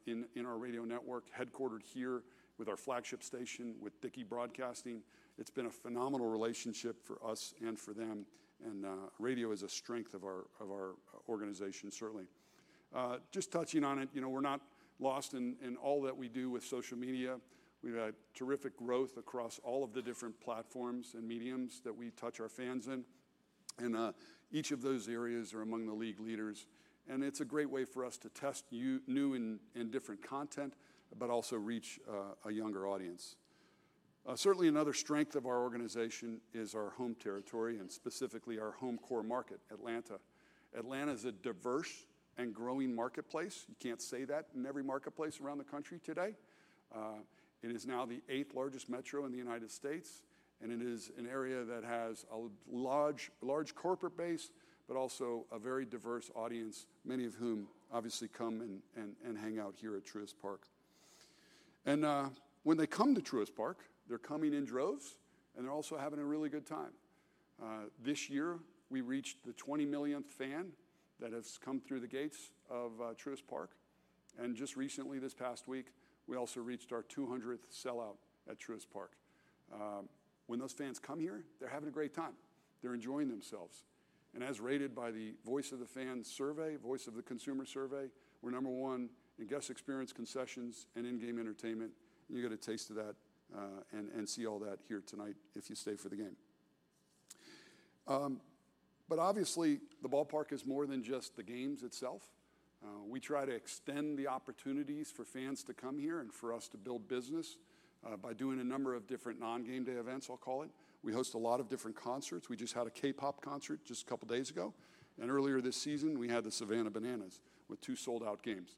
in our radio network headquartered here with our flagship station with Dickey Broadcasting. It's been a phenomenal relationship for us and for them. Radio is a strength of our organization, certainly. Just touching on it, you know, we're not lost in all that we do with social media. We've had terrific growth across all of the different platforms and mediums that we touch our fans in. Each of those areas are among the league leaders. It's a great way for us to test new and different content, but also reach a younger audience. Certainly, another strength of our organization is our home territory and specifically our home core market, Atlanta. Atlanta is a diverse and growing marketplace. You can't say that in every marketplace around the country today. It is now the eighth largest metro in the United States. It is an area that has a large corporate base, but also a very diverse audience, many of whom obviously come and hang out here at Truist Park. When they come to Truist Park, they're coming in droves and they're also having a really good time. This year, we reached the 20 millionth fan that has come through the gates of Truist Park. Just recently, this past week, we also reached our 200th sellout at Truist Park. When those fans come here, they're having a great time. They're enjoying themselves. As rated by the Voice of the Fan survey, Voice of the Consumer survey, we're number one in guest experience, concessions, and in-game entertainment. You get a taste of that and see all that here tonight if you stay for the game. Obviously, the ballpark is more than just the games itself. We try to extend the opportunities for fans to come here and for us to build business by doing a number of different non-game day events, I'll call it. We host a lot of different concerts. We just had a K-pop concert just a couple of days ago. Earlier this season, we had the Savannah Bananas with two sold-out games.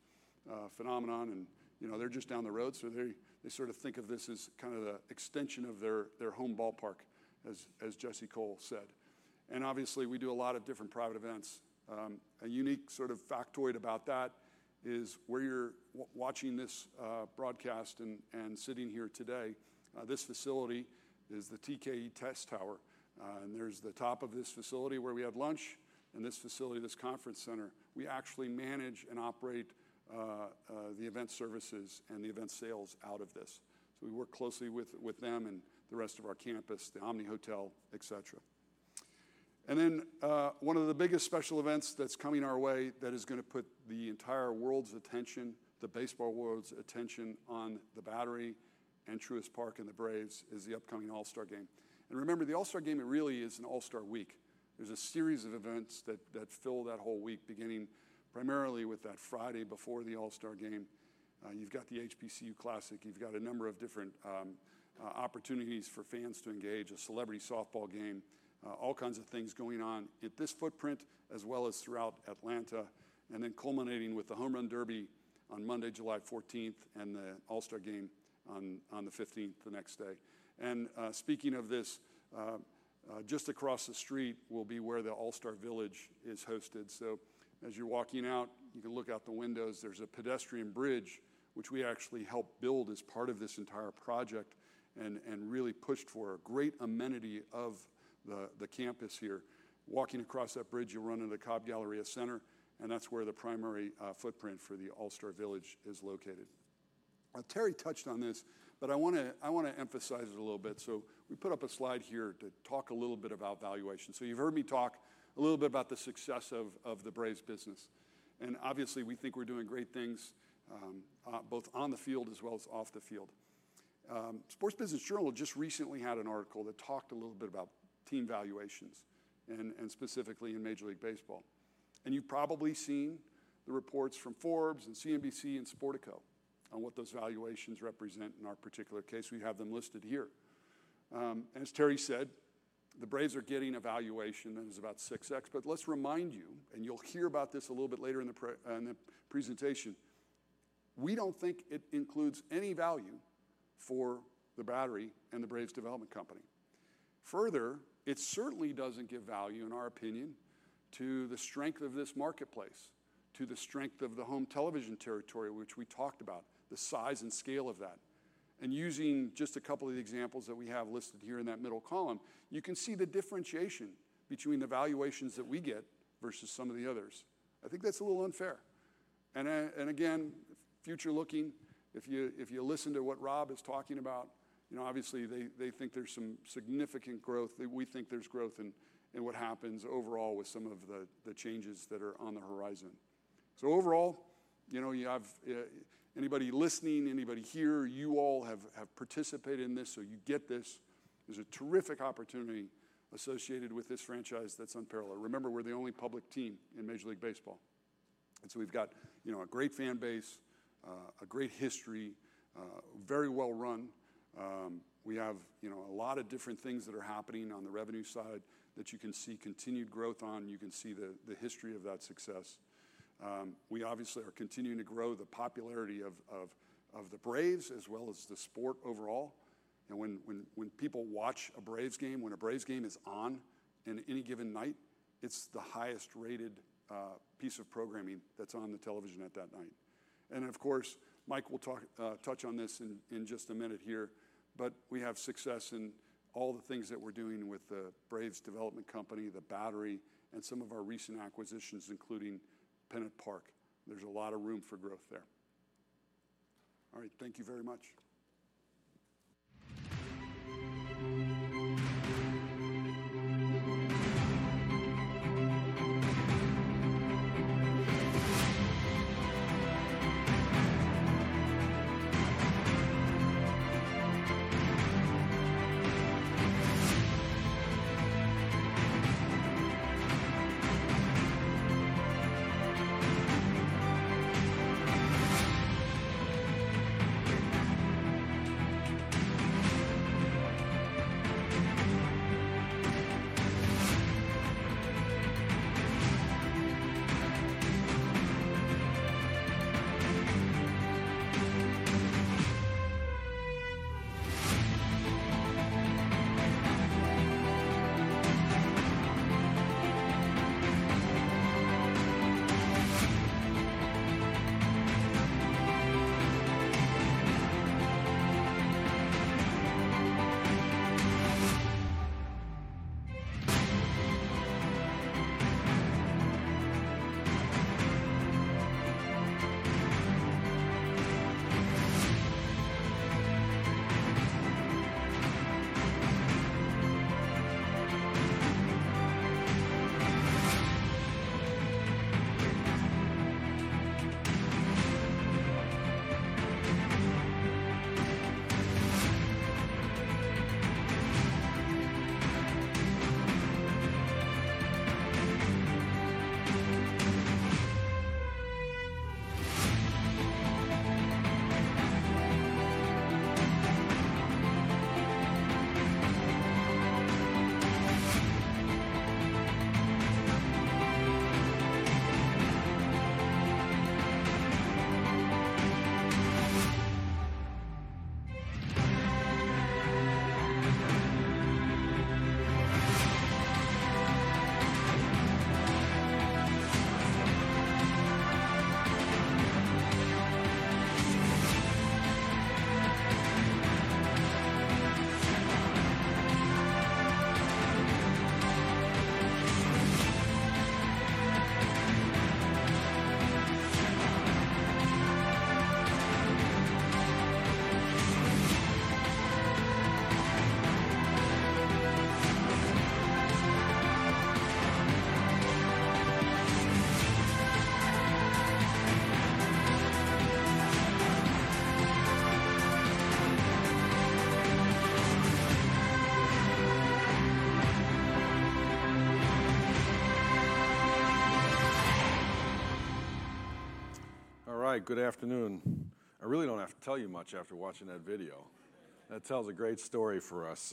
Phenomenon. You know, they're just down the road. They sort of think of this as kind of the extension of their home ballpark, as Jesse Cole said. Obviously, we do a lot of different private events. A unique sort of factoid about that is where you're watching this broadcast and sitting here today, this facility is the TKE Test Tower. There's the top of this facility where we have lunch and this facility, this conference center. We actually manage and operate the event services and the event sales out of this. We work closely with them and the rest of our campus, the Omni Hotel, etc. One of the biggest special events that's coming our way that is going to put the entire world's attention, the baseball world's attention on The Battery Atlanta and Truist Park and the Braves is the upcoming All-Star Game. Remember, the All-Star Game, it really is an All-Star week. There is a series of events that fill that whole week, beginning primarily with that Friday before the All-Star Game. You have the HBCU Classic. You have a number of different opportunities for fans to engage, a celebrity softball game, all kinds of things going on at this footprint as well as throughout Atlanta, and then culminating with the Home Run Derby on Monday, July 14th, and the All-Star Game on the 15th the next day. Speaking of this, just across the street will be where the All-Star Village is hosted. As you are walking out, you can look out the windows. There is a pedestrian bridge, which we actually helped build as part of this entire project and really pushed for a great amenity of the campus here. Walking across that bridge, you'll run into the Cobb Galleria Center, and that's where the primary footprint for the All-Star Village is located. Terry touched on this, but I want to emphasize it a little bit. We put up a slide here to talk a little bit about valuation. You've heard me talk a little bit about the success of the Braves business. Obviously, we think we're doing great things both on the field as well as off the field. Sports Business Journal just recently had an article that talked a little bit about team valuations and specifically in Major League Baseball. You've probably seen the reports from Forbes and CNBC and Sportico on what those valuations represent. In our particular case, we have them listed here. As Terry said, the Braves are getting a valuation that is about 6X. Let's remind you, and you'll hear about this a little bit later in the presentation, we don't think it includes any value for The Battery and the Braves Development Company. Further, it certainly doesn't give value, in our opinion, to the strength of this marketplace, to the strength of the home television territory, which we talked about, the size and scale of that. Using just a couple of the examples that we have listed here in that middle column, you can see the differentiation between the valuations that we get versus some of the others. I think that's a little unfair. Again, future looking, if you listen to what Rob is talking about, you know, obviously they think there's some significant growth. We think there's growth in what happens overall with some of the changes that are on the horizon. Overall, you know, anybody listening, anybody here, you all have participated in this. You get this. There's a terrific opportunity associated with this franchise that's unparalleled. Remember, we're the only public team in Major League Baseball. We've got a great fan base, a great history, very well run. We have a lot of different things that are happening on the revenue side that you can see continued growth on. You can see the history of that success. We obviously are continuing to grow the popularity of the Braves as well as the sport overall. When people watch a Braves game, when a Braves game is on in any given night, it's the highest rated piece of programming that's on the television at that night. Of course, Mike will touch on this in just a minute here. We have success in all the things that we're doing with the Braves Development Company, The Battery, and some of our recent acquisitions, including PennantPark. There's a lot of room for growth there. All right, thank you very much. All right, good afternoon. I really don't have to tell you much after watching that video. That tells a great story for us.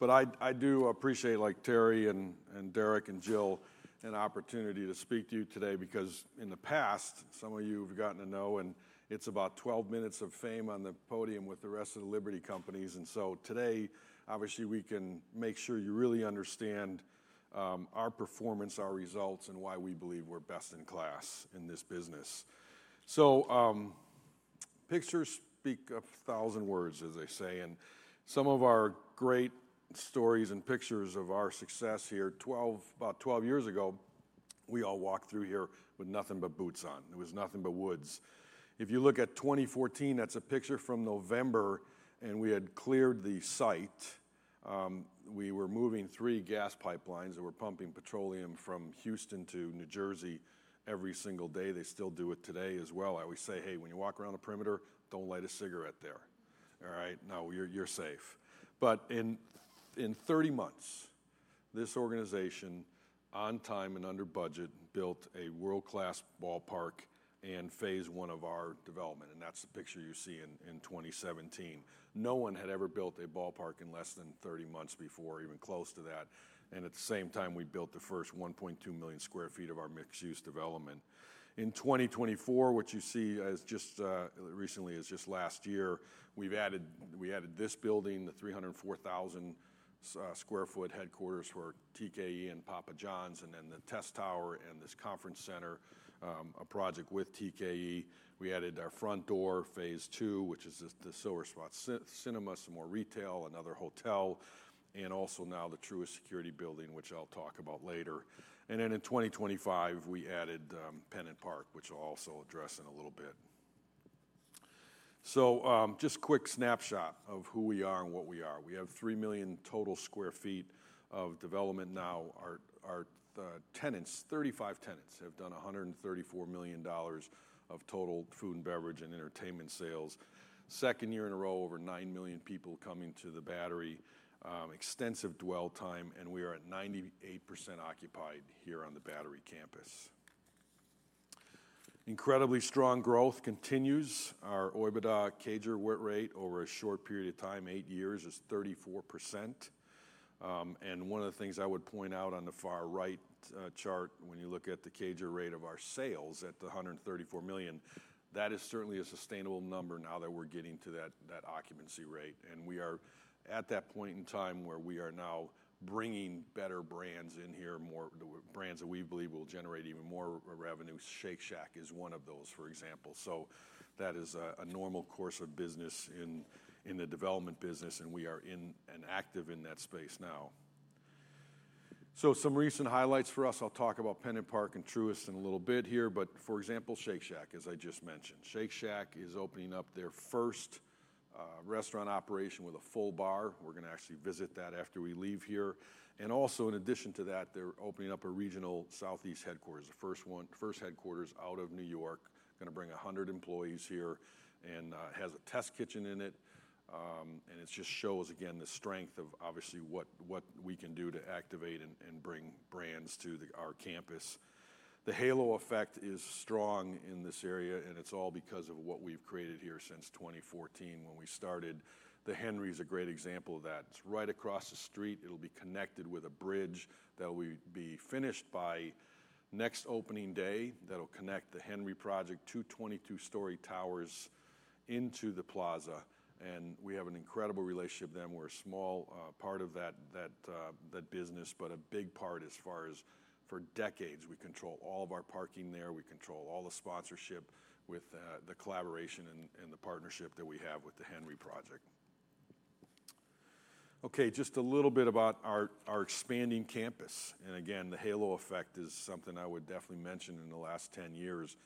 I do appreciate, like Terry and Derek and Jill, an opportunity to speak to you today because in the past, some of you have gotten to know, and it's about 12 minutes of fame on the podium with the rest of the Liberty companies. Today, obviously, we can make sure you really understand our performance, our results, and why we believe we're best in class in this business. Pictures speak a thousand words, as they say. Some of our great stories and pictures of our success here, about 12 years ago, we all walked through here with nothing but boots on. It was nothing but woods. If you look at 2014, that's a picture from November, and we had cleared the site. We were moving three gas pipelines. They were pumping petroleum from Houston to New Jersey every single day. They still do it today as well. I always say, "Hey, when you walk around the perimeter, don't light a cigarette there." All right? Now you're safe. In 30 months, this organization, on time and under budget, built a world-class ballpark and phase one of our development. That's the picture you see in 2017. No one had ever built a ballpark in less than 30 months before, even close to that. At the same time, we built the first 1.2 million sq ft of our mixed-use development. In 2024, what you see just recently is just last year, we added this building, the 304,000 sq ft headquarters for TKE and Papa John's, and then the Test Tower and this conference center, a project with TKE. We added our front door, phase two, which is the Silver Spot Cinema, some more retail, another hotel, and also now the Truist Security Building, which I'll talk about later. In 2025, we added PennantPark, which I'll also address in a little bit. Just a quick snapshot of who we are and what we are. We have 3 million total sq ft of development now. Our tenants, 35 tenants, have done $134 million of total food and beverage and entertainment sales. Second year in a row, over 9 million people coming to The Battery, extensive dwell time, and we are at 98% occupied here on The Battery campus. Incredibly strong growth continues. Our OIBDA/CAGR rate over a short period of time, eight years, is 34%. One of the things I would point out on the far right chart, when you look at the CAGR rate of our sales at the $134 million, that is certainly a sustainable number now that we're getting to that occupancy rate. We are at that point in time where we are now bringing better brands in here, more brands that we believe will generate even more revenue. Shake Shack is one of those, for example. That is a normal course of business in the development business, and we are active in that space now. Some recent highlights for us. I'll talk about PennantPark and Truist in a little bit here, but for example, Shake Shack, as I just mentioned. Shake Shack is opening up their first restaurant operation with a full bar. We're going to actually visit that after we leave here. Also, in addition to that, they're opening up a regional Southeast headquarters, the first headquarters out of New York, going to bring 100 employees here and has a test kitchen in it. It just shows, again, the strength of obviously what we can do to activate and bring brands to our campus. The halo effect is strong in this area, and it's all because of what we've created here since 2014 when we started. The Henry is a great example of that. It's right across the street. It'll be connected with a bridge that will be finished by next opening day that'll connect the Henry Project to 22-story towers into the plaza. We have an incredible relationship then. We're a small part of that business, but a big part as far as for decades. We control all of our parking there. We control all the sponsorship with the collaboration and the partnership that we have with the Henry Project. Okay, just a little bit about our expanding campus. Again, the halo effect is something I would definitely mention in the last 10 years.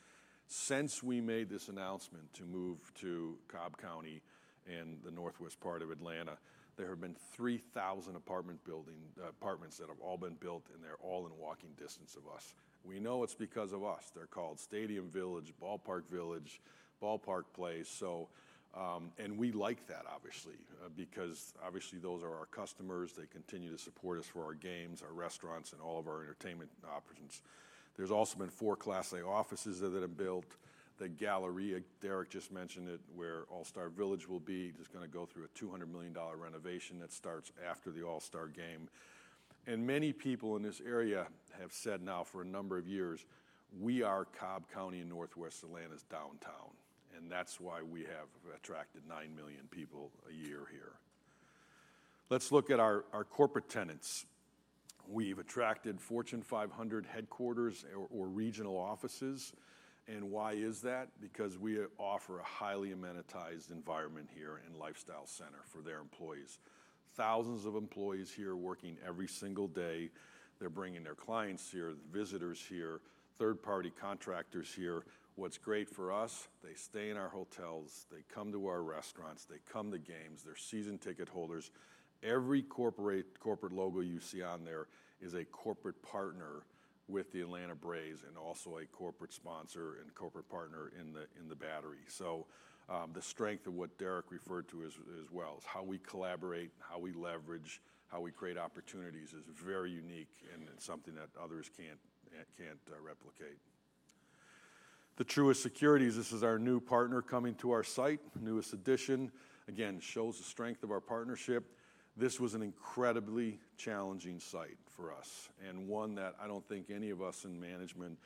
Since we made this announcement to move to Cobb County and the northwest part of Atlanta, there have been 3,000 apartments that have all been built, and they're all in walking distance of us. We know it's because of us. They're called Stadium Village, Ballpark Village, Ballpark Place. We like that, obviously, because obviously those are our customers. They continue to support us for our games, our restaurants, and all of our entertainment options. There have also been four class A offices that have been built, the gallery Derek just mentioned it, where All-Star Village will be. It is going to go through a $200 million renovation that starts after the All-Star Game. Many people in this area have said now for a number of years, "We are Cobb County and northwest Atlanta's downtown." That is why we have attracted 9 million people a year here. Let's look at our corporate tenants. We have attracted Fortune 500 headquarters or regional offices. Why is that? Because we offer a highly amenitized environment here and lifestyle center for their employees. Thousands of employees here working every single day. They are bringing their clients here, visitors here, third-party contractors here. What's great for us, they stay in our hotels, they come to our restaurants, they come to games, they're season ticket holders. Every corporate logo you see on there is a corporate partner with the Atlanta Braves and also a corporate sponsor and corporate partner in The Battery. The strength of what Derek referred to as well is how we collaborate, how we leverage, how we create opportunities is very unique and something that others can't replicate. Truist Securities, this is our new partner coming to our site, newest addition. Again, it shows the strength of our partnership. This was an incredibly challenging site for us and one that I don't think any of us in management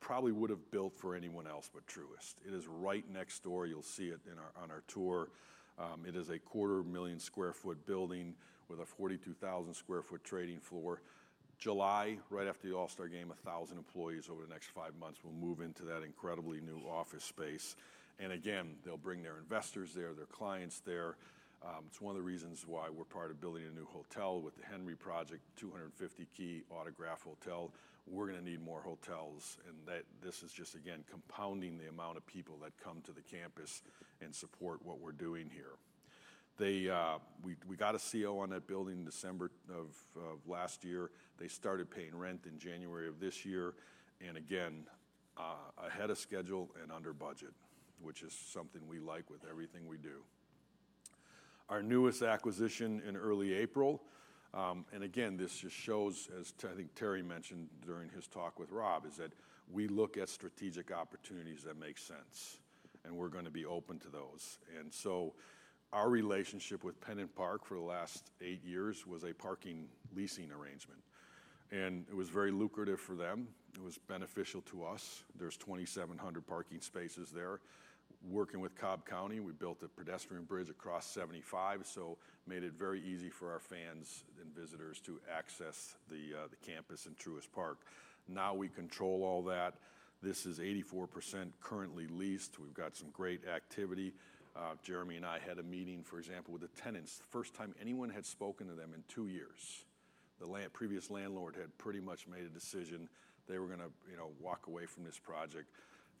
probably would have built for anyone else but Truist. It is right next door. You'll see it on our tour. It is a quarter million sq ft building with a 42,000 sq ft trading floor. July, right after the All-Star Game, 1,000 employees over the next five months will move into that incredibly new office space. Again, they'll bring their investors there, their clients there. It is one of the reasons why we're part of building a new hotel with the Henry Project, 250-key autograph hotel. We're going to need more hotels. This is just, again, compounding the amount of people that come to the campus and support what we're doing here. We got a CO on that building in December of last year. They started paying rent in January of this year. Again, ahead of schedule and under budget, which is something we like with everything we do. Our newest acquisition in early April. This just shows, as I think Terry mentioned during his talk with Rob, that we look at strategic opportunities that make sense, and we're going to be open to those. Our relationship with PennantPark for the last eight years was a parking leasing arrangement. It was very lucrative for them. It was beneficial to us. There are 2,700 parking spaces there. Working with Cobb County, we built a pedestrian bridge across 75, which made it very easy for our fans and visitors to access the campus and Truist Park. Now we control all that. This is 84% currently leased. We've got some great activity. Jeremy and I had a meeting, for example, with the tenants. It was the first time anyone had spoken to them in two years. The previous landlord had pretty much made a decision. They were going to walk away from this project.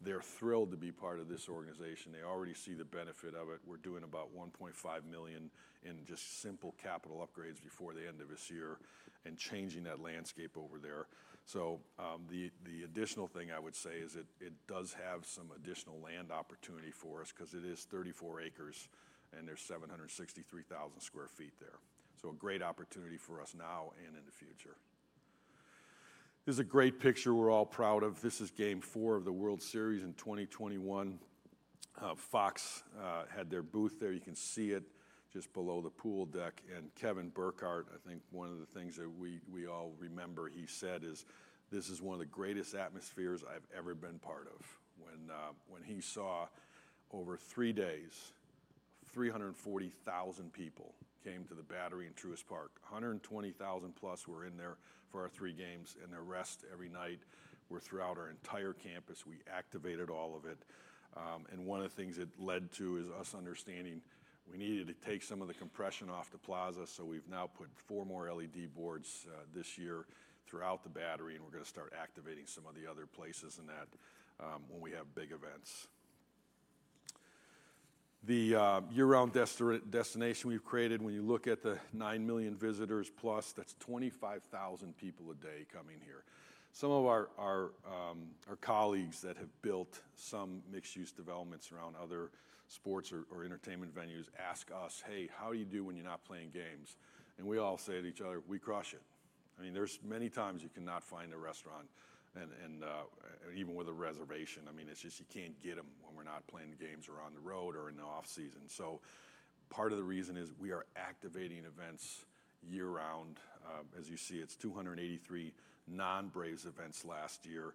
They're thrilled to be part of this organization. They already see the benefit of it. We're doing about $1.5 million in just simple capital upgrades before the end of this year and changing that landscape over there. The additional thing I would say is it does have some additional land opportunity for us because it is 34 acres and there's 763,000 sq ft there. A great opportunity for us now and in the future. This is a great picture we're all proud of. This is game four of the World Series in 2021. Fox had their booth there. You can see it just below the pool deck. Kevin Burkhart, I think one of the things that we all remember he said is, "This is one of the greatest atmospheres I've ever been part of." He saw over three days, 340,000 people came to The Battery and Truist Park. 120,000 plus were in there for our three games, and the rest every night were throughout our entire campus. We activated all of it. One of the things it led to is us understanding we needed to take some of the compression off the plaza. We have now put four more LED boards this year throughout The Battery, and we are going to start activating some of the other places in that when we have big events. The year-round destination we have created, when you look at the 9 million visitors plus, that is 25,000 people a day coming here. Some of our colleagues that have built some mixed-use developments around other sports or entertainment venues ask us, "Hey, how do you do when you're not playing games?" We all say to each other, "We crush it." I mean, there are many times you cannot find a restaurant, and even with a reservation, I mean, you just can't get them when we're not playing games or on the road or in the off-season. Part of the reason is we are activating events year-round. As you see, it's 283 non-Braves events last year.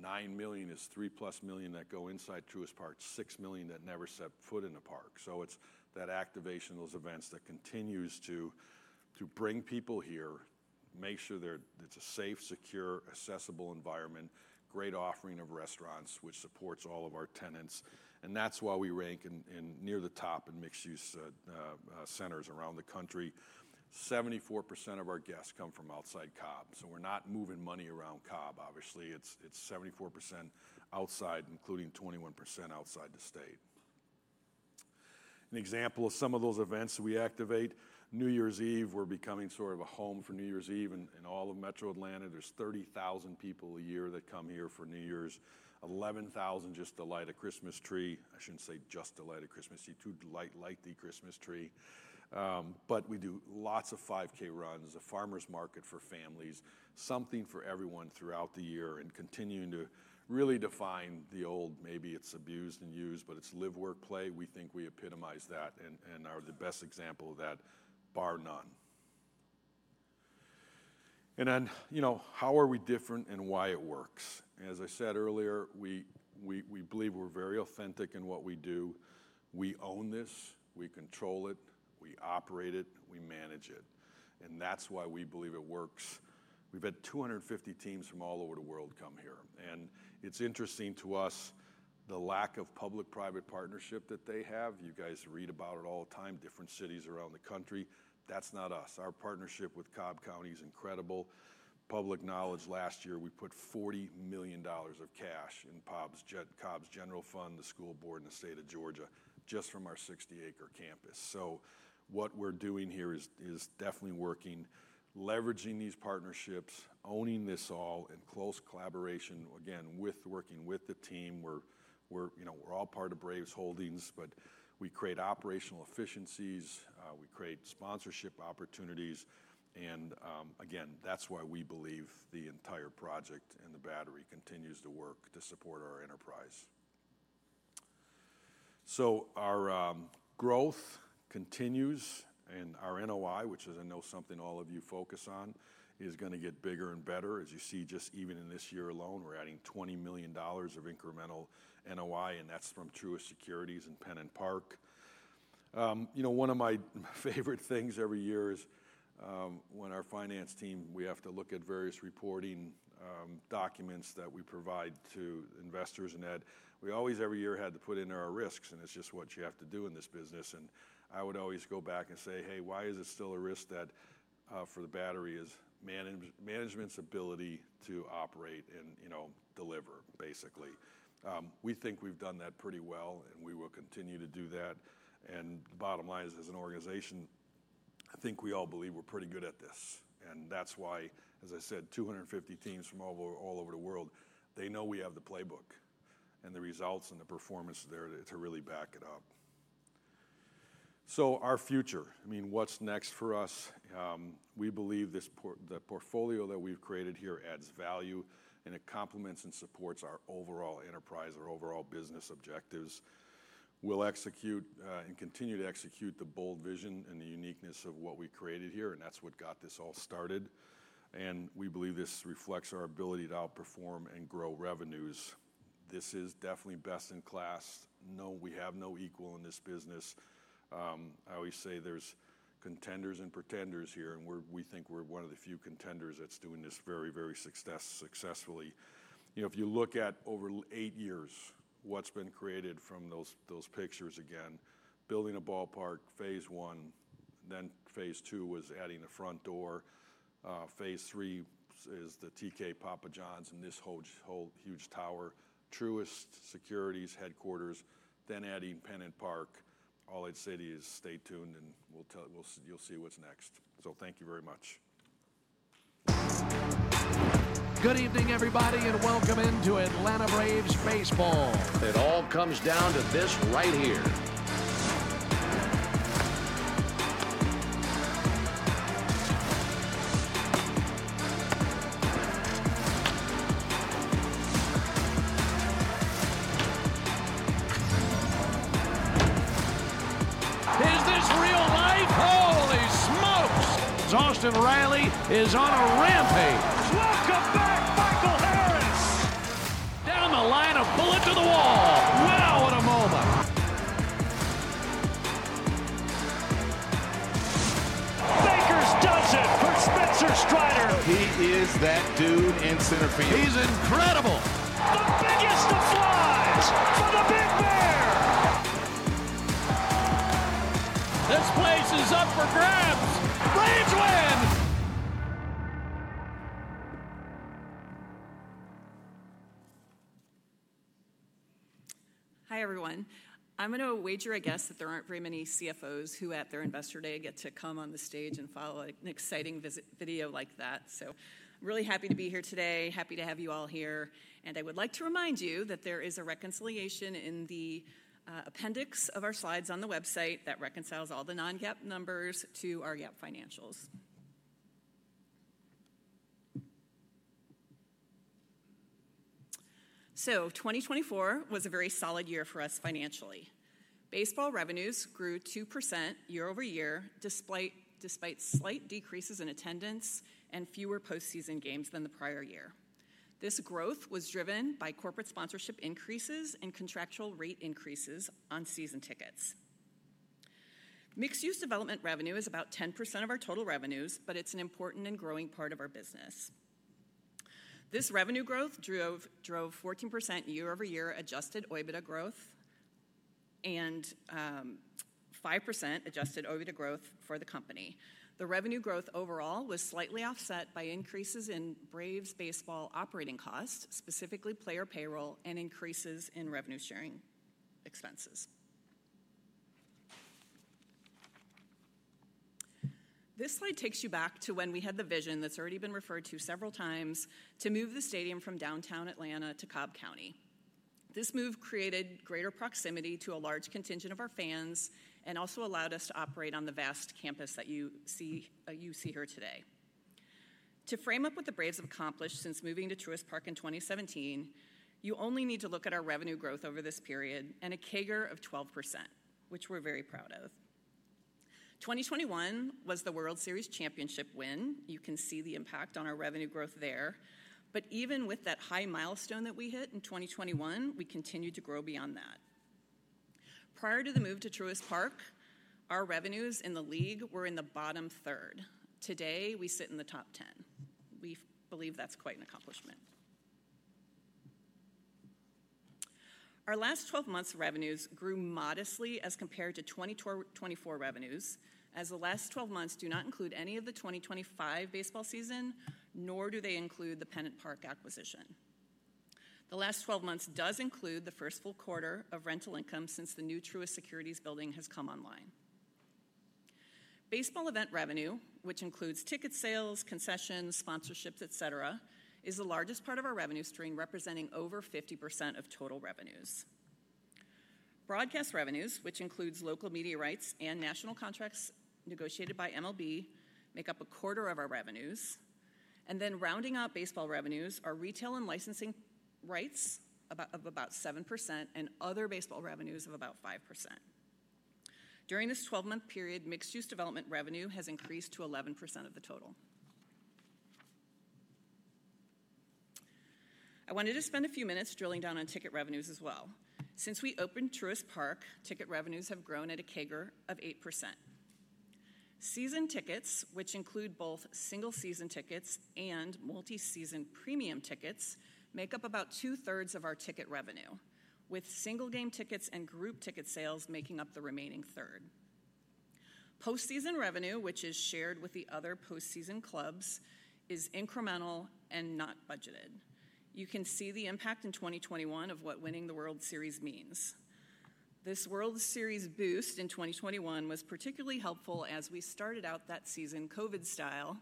$9 million is $3 million plus that go inside Truist Park, $6 million that never set foot in the park. It's that activation of those events that continues to bring people here, make sure it's a safe, secure, accessible environment, great offering of restaurants, which supports all of our tenants. That's why we rank near the top in mixed-use centers around the country. 74% of our guests come from outside Cobb. We're not moving money around Cobb, obviously. It's 74% outside, including 21% outside the state. An example of some of those events we activate, New Year's Eve, we're becoming sort of a home for New Year's Eve in all of Metro Atlanta. There are 30,000 people a year that come here for New Year's. 11,000 just to light a Christmas tree. I shouldn't say just to light a Christmas tree, to light the Christmas tree. We do lots of 5K runs, a farmer's market for families, something for everyone throughout the year, and continuing to really define the old, maybe it's abused and used, but it's live, work, play. We think we epitomize that and are the best example of that, bar none. How are we different and why it works? As I said earlier, we believe we're very authentic in what we do. We own this. We control it. We operate it. We manage it. That's why we believe it works. We've had 250 teams from all over the world come here. It's interesting to us the lack of public-private partnership that they have. You guys read about it all the time, different cities around the country. That's not us. Our partnership with Cobb County is incredible. Public knowledge last year, we put $40 million of cash in Cobb's general fund, the school board, and the state of Georgia just from our 60-acre campus. What we're doing here is definitely working, leveraging these partnerships, owning this all, and close collaboration, again, working with the team. We're all part of Braves Holdings, but we create operational efficiencies. We create sponsorship opportunities. Again, that is why we believe the entire project and The Battery continues to work to support our enterprise. Our growth continues, and our NOI, which is, I know, something all of you focus on, is going to get bigger and better. As you see, just even in this year alone, we are adding $20 million of incremental NOI, and that is from Truist Securities and PennantPark. One of my favorite things every year is when our finance team, we have to look at various reporting documents that we provide to investors and that we always every year had to put in our risks, and it is just what you have to do in this business. I would always go back and say, "Hey, why is it still a risk that for The Battery is management's ability to operate and deliver, basically?" We think we've done that pretty well, and we will continue to do that. The bottom line is, as an organization, I think we all believe we're pretty good at this. That's why, as I said, 250 teams from all over the world, they know we have the playbook and the results and the performance there to really back it up. Our future, I mean, what's next for us? We believe the portfolio that we've created here adds value, and it complements and supports our overall enterprise, our overall business objectives. We'll execute and continue to execute the bold vision and the uniqueness of what we created here, and that's what got this all started. We believe this reflects our ability to outperform and grow revenues. This is definitely best in class. We have no equal in this business. I always say there's contenders and pretenders here, and we think we're one of the few contenders that's doing this very, very successfully. If you look at over eight years, what's been created from those pictures, again, building a ballpark, phase one, then phase two was adding a front door. Phase three is the TK Papa John's and this whole huge tower, Truist Securities headquarters, then adding PennantPark. All I'd say is stay tuned, and you'll see what's next. Thank you very much. Good evening, everybody, and welcome into Atlanta Braves baseball. It all comes down to this right here. Is this real life? Holy smokes. Austin Riley is on a rampage. Welcome back, Michael Harris. Down the line, a bullet to the wall. Wow at a moment. Baker's dozen for Spencer Strider. He is that dude in center field. He's incredible. The biggest applause for the big bear. This place is up for grabs. Braves win. Hi, everyone. I'm going to wager a guess that there aren't very many CFOs who, at their investor day, get to come on the stage and follow an exciting video like that. I'm really happy to be here today, happy to have you all here. I would like to remind you that there is a reconciliation in the appendix of our slides on the website that reconciles all the non-GAAP numbers to our GAAP financials. 2024 was a very solid year for us financially. Baseball revenues grew 2% year over year, despite slight decreases in attendance and fewer post-season games than the prior year. This growth was driven by corporate sponsorship increases and contractual rate increases on season tickets. Mixed-use development revenue is about 10% of our total revenues, but it's an important and growing part of our business. This revenue growth drove 14% year-over-year adjusted OIBDA growth and 5% adjusted OIBDA growth for the company. The revenue growth overall was slightly offset by increases in Braves baseball operating costs, specifically player payroll and increases in revenue sharing expenses. This slide takes you back to when we had the vision that's already been referred to several times to move the stadium from downtown Atlanta to Cobb County. This move created greater proximity to a large contingent of our fans and also allowed us to operate on the vast campus that you see here today. To frame up what the Braves have accomplished since moving to Truist Park in 2017, you only need to look at our revenue growth over this period and a CAGR of 12%, which we're very proud of. 2021 was the World Series championship win. You can see the impact on our revenue growth there. Even with that high milestone that we hit in 2021, we continued to grow beyond that. Prior to the move to Truist Park, our revenues in the league were in the bottom third. Today, we sit in the top 10. We believe that's quite an accomplishment. Our last 12 months' revenues grew modestly as compared to 2024 revenues, as the last 12 months do not include any of the 2025 baseball season, nor do they include the PennantPark acquisition. The last 12 months does include the first full quarter of rental income since the new Truist Securities building has come online. Baseball event revenue, which includes ticket sales, concessions, sponsorships, etc., is the largest part of our revenue stream, representing over 50% of total revenues. Broadcast revenues, which includes local media rights and national contracts negotiated by MLB, make up a quarter of our revenues. Then rounding out baseball revenues, our retail and licensing rights of about 7% and other baseball revenues of about 5%. During this 12-month period, mixed-use development revenue has increased to 11% of the total. I wanted to spend a few minutes drilling down on ticket revenues as well. Since we opened Truist Park, ticket revenues have grown at a CAGR of 8%. Season tickets, which include both single-season tickets and multi-season premium tickets, make up about two-thirds of our ticket revenue, with single-game tickets and group ticket sales making up the remaining third. Post-season revenue, which is shared with the other post-season clubs, is incremental and not budgeted. You can see the impact in 2021 of what winning the World Series means. This World Series boost in 2021 was particularly helpful as we started out that season COVID-style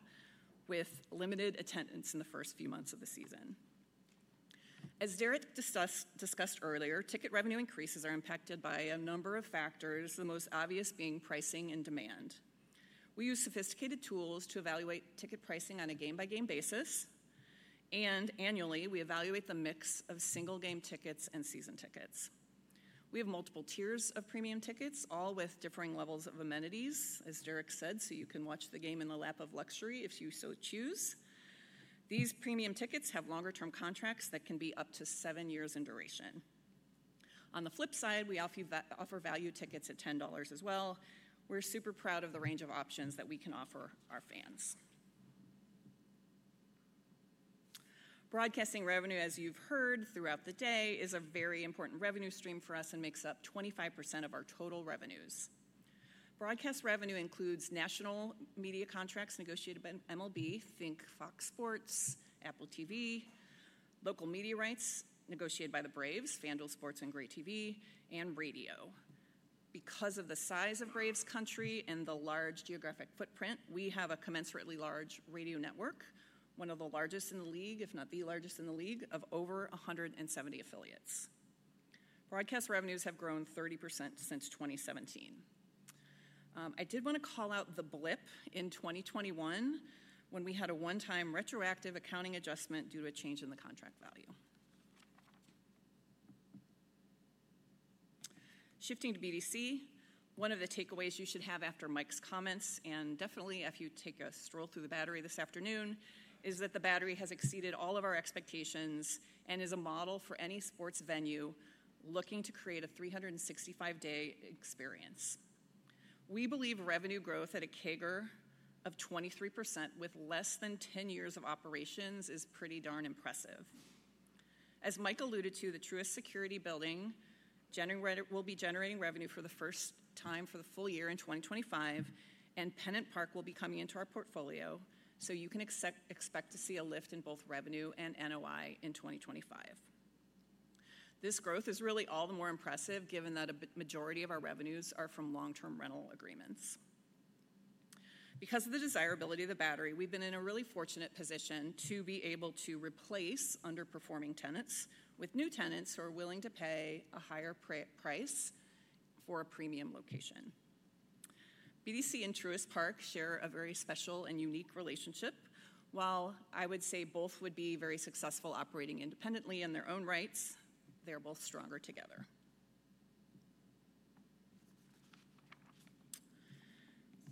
with limited attendance in the first few months of the season. As Derek discussed earlier, ticket revenue increases are impacted by a number of factors, the most obvious being pricing and demand. We use sophisticated tools to evaluate ticket pricing on a game-by-game basis. Annually, we evaluate the mix of single-game tickets and season tickets. We have multiple tiers of premium tickets, all with differing levels of amenities, as Derek said, so you can watch the game in the lap of luxury if you so choose. These premium tickets have longer-term contracts that can be up to seven years in duration. On the flip side, we offer value tickets at $10 as well. We're super proud of the range of options that we can offer our fans. Broadcasting revenue, as you've heard throughout the day, is a very important revenue stream for us and makes up 25% of our total revenues. Broadcast revenue includes national media contracts negotiated by MLB, think Fox Sports, Apple TV, local media rights negotiated by the Braves, FanDuel Sports Network and Gray Television, and radio. Because of the size of Braves country and the large geographic footprint, we have a commensurately large radio network, one of the largest in the league, if not the largest in the league, of over 170 affiliates. Broadcast revenues have grown 30% since 2017. I did want to call out the blip in 2021 when we had a one-time retroactive accounting adjustment due to a change in the contract value. Shifting to BDC, one of the takeaways you should have after Mike's comments, and definitely if you take a stroll through The Battery this afternoon, is that The Battery has exceeded all of our expectations and is a model for any sports venue looking to create a 365-day experience. We believe revenue growth at a CAGR of 23% with less than 10 years of operations is pretty darn impressive. As Mike alluded to, the Truist Securities building will be generating revenue for the first time for the full year in 2025, and PennantPark will be coming into our portfolio, so you can expect to see a lift in both revenue and NOI in 2025. This growth is really all the more impressive given that a majority of our revenues are from long-term rental agreements. Because of the desirability of The Battery, we've been in a really fortunate position to be able to replace underperforming tenants with new tenants who are willing to pay a higher price for a premium location. BDC and Truist Park share a very special and unique relationship. While I would say both would be very successful operating independently in their own rights, they're both stronger together.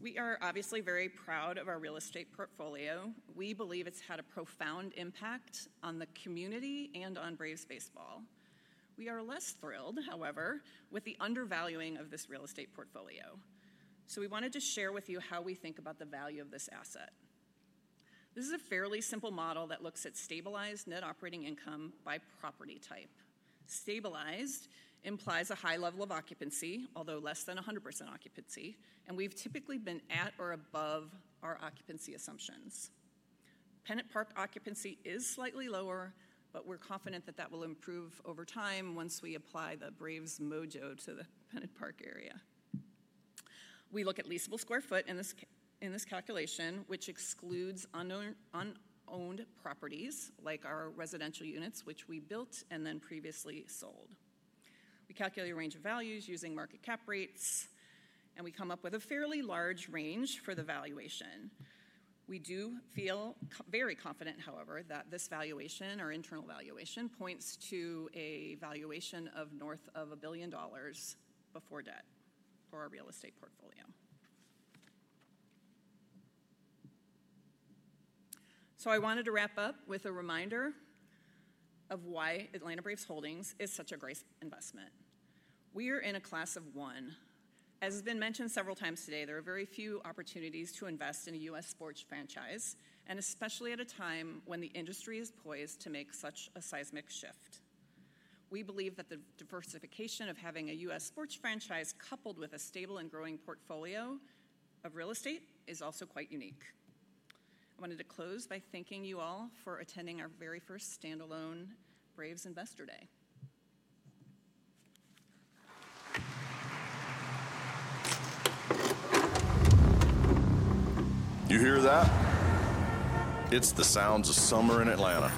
We are obviously very proud of our real estate portfolio. We believe it's had a profound impact on the community and on Braves baseball. We are less thrilled, however, with the undervaluing of this real estate portfolio. We wanted to share with you how we think about the value of this asset. This is a fairly simple model that looks at stabilized net operating income by property type. Stabilized implies a high level of occupancy, although less than 100% occupancy, and we've typically been at or above our occupancy assumptions. PennantPark occupancy is slightly lower, but we're confident that that will improve over time once we apply the Braves mojo to the PennantPark area. We look at leasable square foot in this calculation, which excludes unowned properties like our residential units, which we built and then previously sold. We calculate a range of values using market cap rates, and we come up with a fairly large range for the valuation. We do feel very confident, however, that this valuation, our internal valuation, points to a valuation of north of $1 billion before debt for our real estate portfolio. I wanted to wrap up with a reminder of why Atlanta Braves Holdings is such a great investment. We are in a class of one. As has been mentioned several times today, there are very few opportunities to invest in a U.S. sports franchise, and especially at a time when the industry is poised to make such a seismic shift. We believe that the diversification of having a U.S. sports franchise coupled with a stable and growing portfolio of real estate is also quite unique. I wanted to close by thanking you all for attending our very first standalone Braves investor day. You hear that? It's the sounds of summer in Atlanta.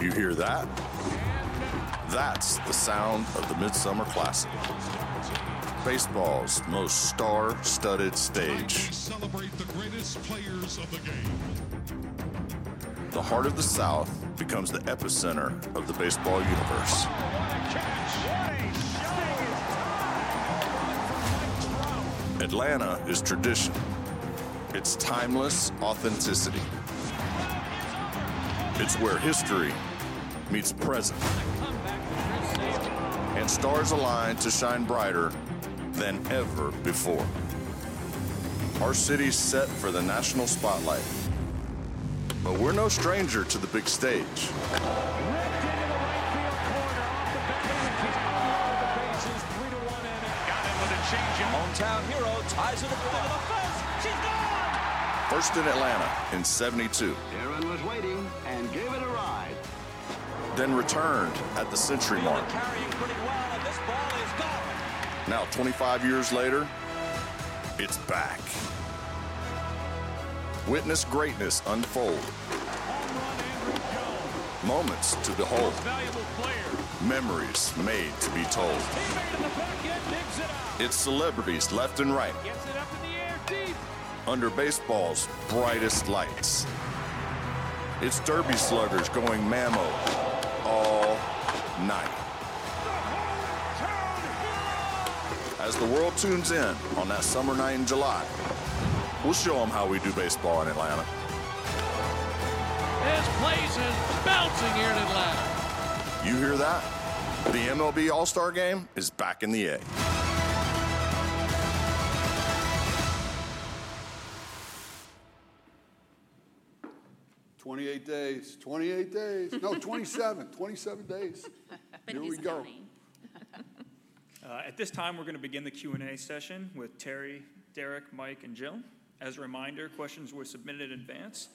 You hear that? That's the sound of the Midsummer Classic. Baseball's most star-studded stage. Celebrate the greatest players of the game. The heart of the South becomes the epicenter of the baseball universe. What a catch. What a shot. Atlanta is tradition. It's timeless authenticity. It's where history meets present. Stars align to shine brighter than ever before. Our city's set for the national spotlight. We're no stranger to the big stage. Left into the right field corner off The Battery and she's all out of the bases. 3-1 inning. Got it with a changeup. On-town hero ties it up. Into the first. She's gone. First in Atlanta in 1972. Aaron was waiting and gave it a ride. Then returned at the century mark. Carrying pretty well. And this ball is gone. Now, 25 years later, it's back. Witness greatness unfold. Home run Andrew Jones. Moments to behold. Most valuable player. Memories made to be told. He made it in the back end. Digs it out. It's celebrities left and right. Gets it up in the air. Deep. Under baseball's brightest lights. It's derby sluggers going MAMO all night. The hometown hero. As the world tunes in on that summer night in July, we'll show them how we do baseball in Atlanta. This place is bouncing here in Atlanta. You hear that? The MLB All-Star Game is back in the A. 28 days. 28 days. No, 27. 27 days. Here we go. At this time, we're going to begin the Q&A session with Terry, Derek, Mike, and Jim. As a reminder, questions were submitted in advance.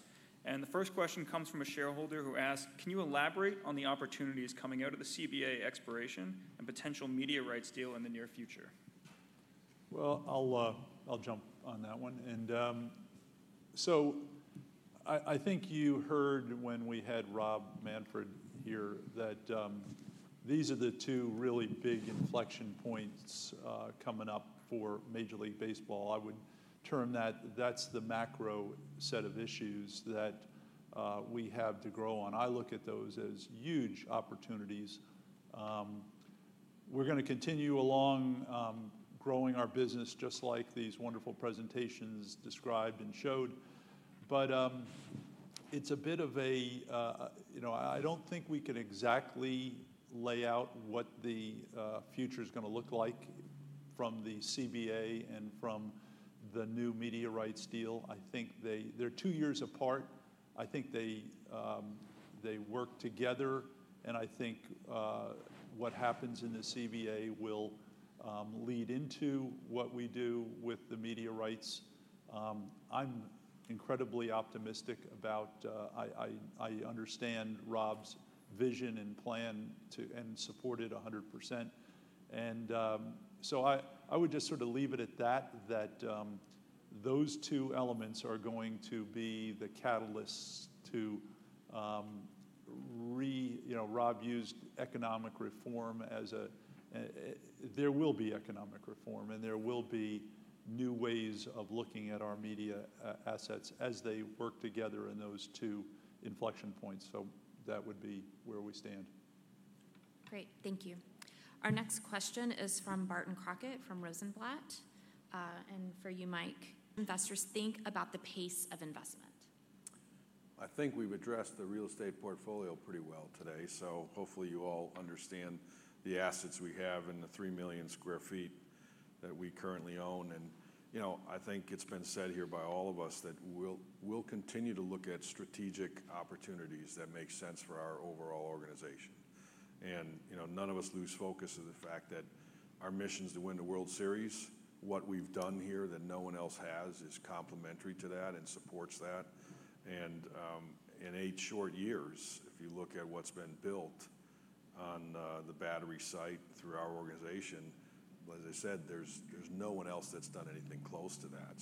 The first question comes from a shareholder who asked, "Can you elaborate on the opportunities coming out of the CBA expiration and potential media rights deal in the near future?" I'll jump on that one. I think you heard when we had Rob Manfred here that these are the two really big inflection points coming up for Major League Baseball. I would term that that's the macro set of issues that we have to grow on. I look at those as huge opportunities. We're going to continue along growing our business just like these wonderful presentations described and showed. It's a bit of a—I don't think we can exactly lay out what the future is going to look like from the CBA and from the new media rights deal. I think they're two years apart. I think they work together. I think what happens in the CBA will lead into what we do with the media rights. I'm incredibly optimistic about—I understand Rob's vision and plan and support it 100%. I would just sort of leave it at that, that those two elements are going to be the catalysts to—Rob used economic reform as a—there will be economic reform, and there will be new ways of looking at our media assets as they work together in those two inflection points. That would be where we stand. Great. Thank you. Our next question is from Barton Crockett from Rosenblatt. For you, Mike. Investors think about the pace of investment? I think we've addressed the real estate portfolio pretty well today. Hopefully you all understand the assets we have in the 3 million sq ft that we currently own. I think it's been said here by all of us that we'll continue to look at strategic opportunities that make sense for our overall organization. None of us lose focus on the fact that our mission is to win the World Series. What we've done here that no one else has is complementary to that and supports that. In eight short years, if you look at what's been built on The Battery site through our organization, as I said, there's no one else that's done anything close to that.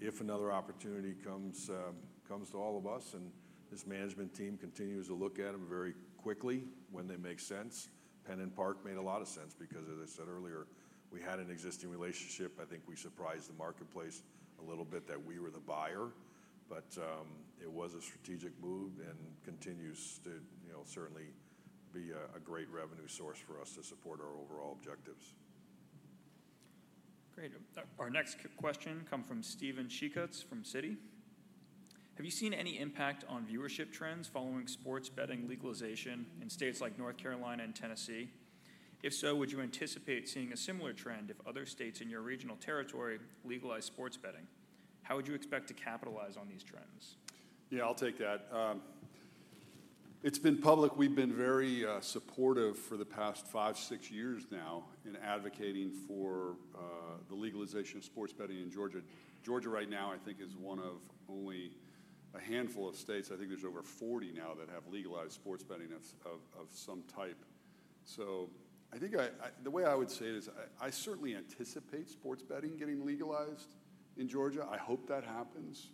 If another opportunity comes to all of us and this management team continues to look at them very quickly when they make sense, PennantPark made a lot of sense because, as I said earlier, we had an existing relationship. I think we surprised the marketplace a little bit that we were the buyer. It was a strategic move and continues to certainly be a great revenue source for us to support our overall objectives. Great. Our next question comes from Steven Sheeckutz from Citi. Have you seen any impact on viewership trends following sports betting legalization in states like North Carolina and Tennessee? If so, would you anticipate seeing a similar trend if other states in your regional territory legalize sports betting? How would you expect to capitalize on these trends? Yeah, I'll take that. It's been public. We've been very supportive for the past five, six years now in advocating for the legalization of sports betting in Georgia. Georgia right now, I think, is one of only a handful of states. I think there's over 40 now that have legalized sports betting of some type. I think the way I would say it is I certainly anticipate sports betting getting legalized in Georgia. I hope that happens.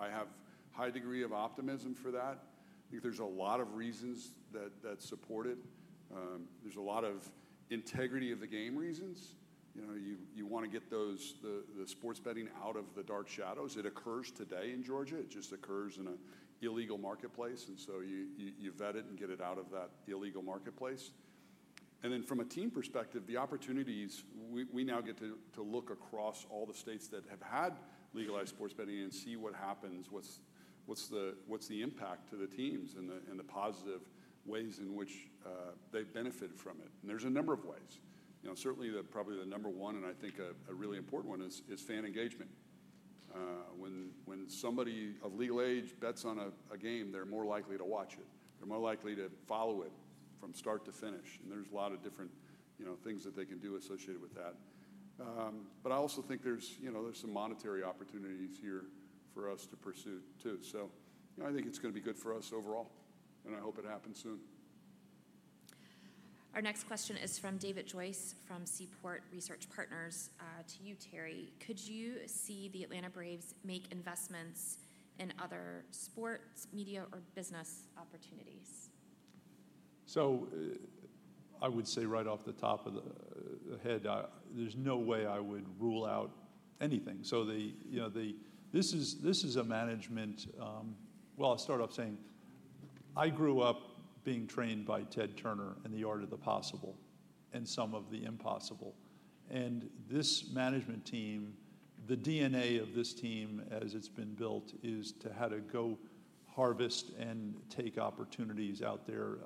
I have a high degree of optimism for that. I think there are a lot of reasons that support it. There are a lot of integrity of the game reasons. You want to get the sports betting out of the dark shadows. It occurs today in Georgia. It just occurs in an illegal marketplace. You vet it and get it out of that illegal marketplace. From a team perspective, the opportunities, we now get to look across all the states that have had legalized sports betting and see what happens, what is the impact to the teams and the positive ways in which they have benefited from it. There are a number of ways. Certainly, probably the number one, and I think a really important one, is fan engagement. When somebody of legal age bets on a game, they're more likely to watch it. They're more likely to follow it from start to finish. There are a lot of different things that they can do associated with that. I also think there's some monetary opportunities here for us to pursue too. I think it's going to be good for us overall. I hope it happens soon. Our next question is from David Joyce from Seaport Research Partners. To you, Terry, could you see the Atlanta Braves make investments in other sports, media, or business opportunities? I would say right off the top of the head, there's no way I would rule out anything. This is a management—I'll start off saying I grew up being trained by Ted Turner in the art of the possible and some of the impossible. This management team, the DNA of this team, as it's been built, is to how to go harvest and take opportunities out there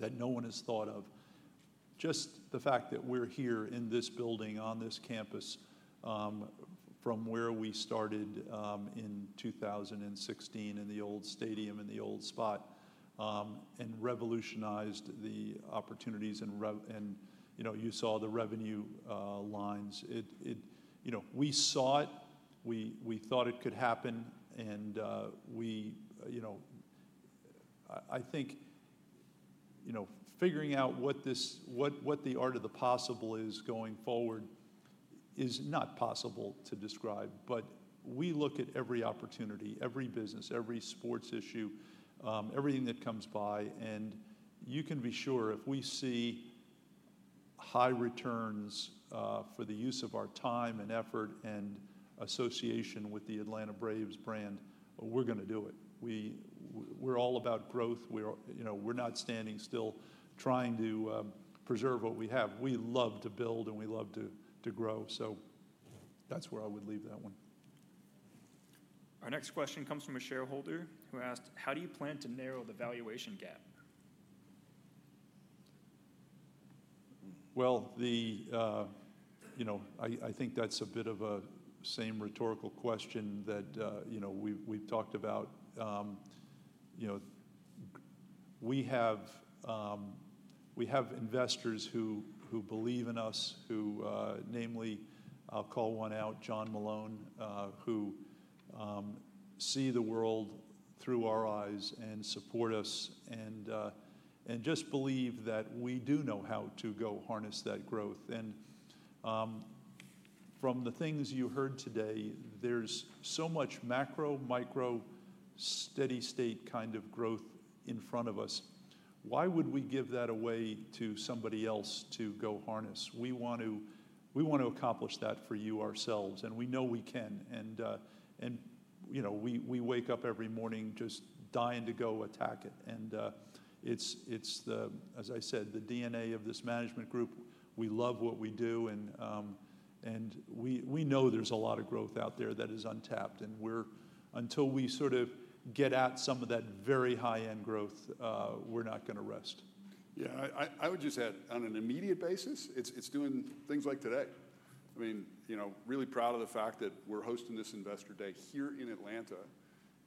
that no one has thought of. Just the fact that we're here in this building on this campus from where we started in 2016 in the old stadium in the old spot and revolutionized the opportunities. You saw the revenue lines. We saw it. We thought it could happen. I think figuring out what the art of the possible is going forward is not possible to describe. We look at every opportunity, every business, every sports issue, everything that comes by. You can be sure if we see high returns for the use of our time and effort and association with the Atlanta Braves brand, we're going to do it. We're all about growth. We're not standing still trying to preserve what we have. We love to build and we love to grow. That is where I would leave that one. Our next question comes from a shareholder who asked, "How do you plan to narrow the valuation gap? " I think that is a bit of the same rhetorical question that we?ve talked about. We have investors who believe in us, who namely, I'll call one out, John Malone, who see the world through our eyes and support us and just believe that we do know how to go harness that growth. From the things you heard today, there is so much macro, micro, steady state kind of growth in front of us. Why would we give that away to somebody else to go harness? We want to accomplish that for you ourselves. We know we can. We wake up every morning just dying to go attack it. It is, as I said, the DNA of this management group. We love what we do. We know there is a lot of growth out there that is untapped. Until we sort of get at some of that very high-end growth, we are not going to rest. Yeah. I would just add, on an immediate basis, it is doing things like today? I mean, really proud of the fact that we're hosting this investor day here in Atlanta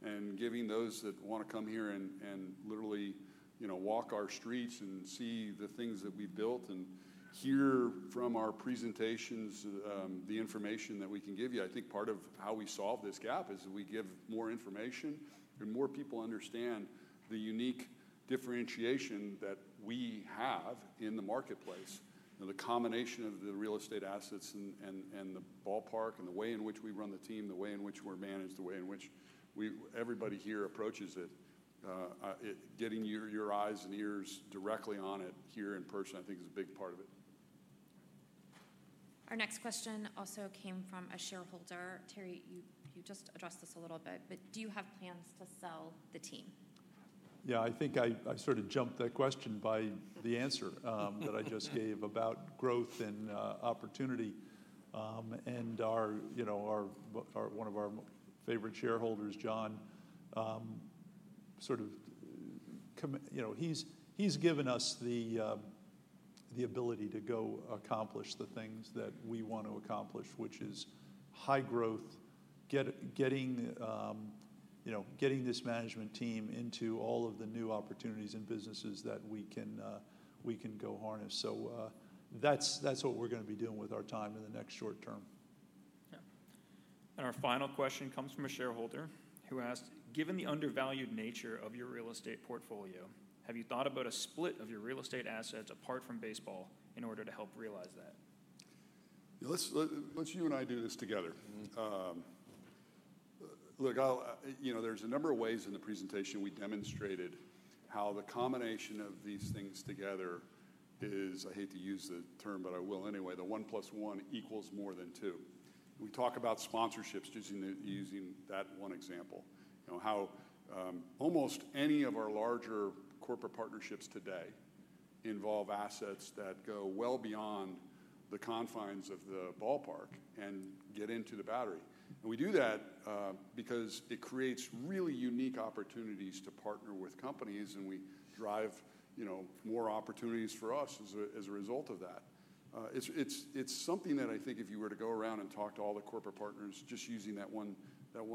and giving those that want to come here and literally walk our streets and see the things that we've built and hear from our presentations the information that we can give you. I think part of how we solve this gap is we give more information and more people understand the unique differentiation that we have in the marketplace. The combination of the real estate assets and the ballpark and the way in which we run the team, the way in which we're managed, the way in which everybody here approaches it, getting your eyes and ears directly on it here in person, I think, is a big part of it. Our next question also came from a shareholder. Terry, you just addressed this a little bit. Do you have plans to sell the team? Yeah. I think I sort of jumped that question by the answer that I just gave about growth and opportunity. One of our favorite shareholders, John, sort of he's given us the ability to go accomplish the things that we want to accomplish, which is high growth, getting this management team into all of the new opportunities and businesses that we can go harness. That's what we're going to be doing with our time in the next short term. Our final question comes from a shareholder who asked, "Given the undervalued nature of your real estate portfolio, have you thought about a split of your real estate assets apart from baseball in order to help realize that?" Let's you and I do this together. Look, there's a number of ways in the presentation we demonstrated how the combination of these things together is—I hate to use the term, but I will anyway—the one plus one equals more than two. We talk about sponsorships using that one example, how almost any of our larger corporate partnerships today involve assets that go well beyond the confines of the ballpark and get into The Battery. We do that because it creates really unique opportunities to partner with companies and we drive more opportunities for us as a result of that. It's something that I think if you were to go around and talk to all the corporate partners just using that one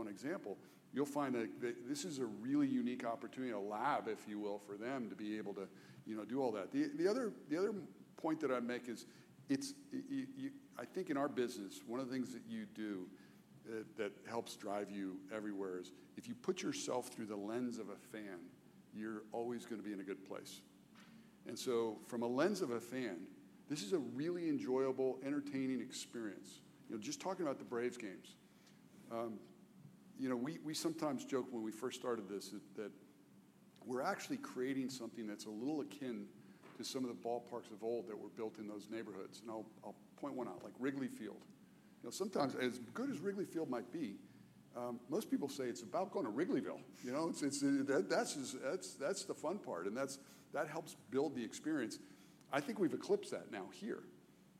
example, you'll find that this is a really unique opportunity, a lab, if you will, for them to be able to do all that. The other point that I'd make is I think in our business, one of the things that you do that helps drive you everywhere is if you put yourself through the lens of a fan, you're always going to be in a good place. From a lens of a fan, this is a really enjoyable, entertaining experience. Just talking about the Braves games, we sometimes joke when we first started this that we're actually creating something that's a little akin to some of the ballparks of old that were built in those neighborhoods. I'll point one out, like Wrigley Field. Sometimes, as good as Wrigley Field might be, most people say it's about going to Wrigleyville. That's the fun part. That helps build the experience. I think we've eclipsed that now here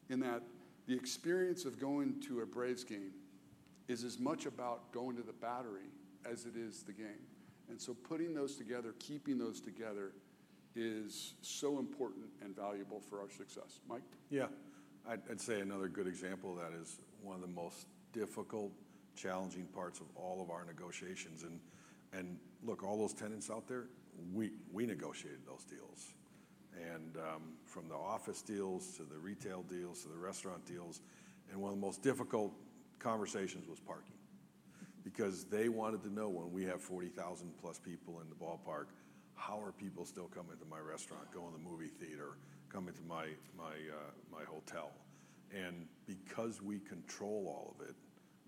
in that the experience of going to a Braves game is as much about going to The Battery as it is the game. Putting those together, keeping those together is so important and valuable for our success. Mike? Yeah. I'd say another good example of that is one of the most difficult, challenging parts of all of our negotiations. Look, all those tenants out there, we negotiated those deals. From the office deals to the retail deals to the restaurant deals, one of the most difficult conversations was parking. They wanted to know when we have 40,000-plus people in the ballpark, how are people still coming to my restaurant, going to the movie theater, coming to my hotel? Because we control all of it,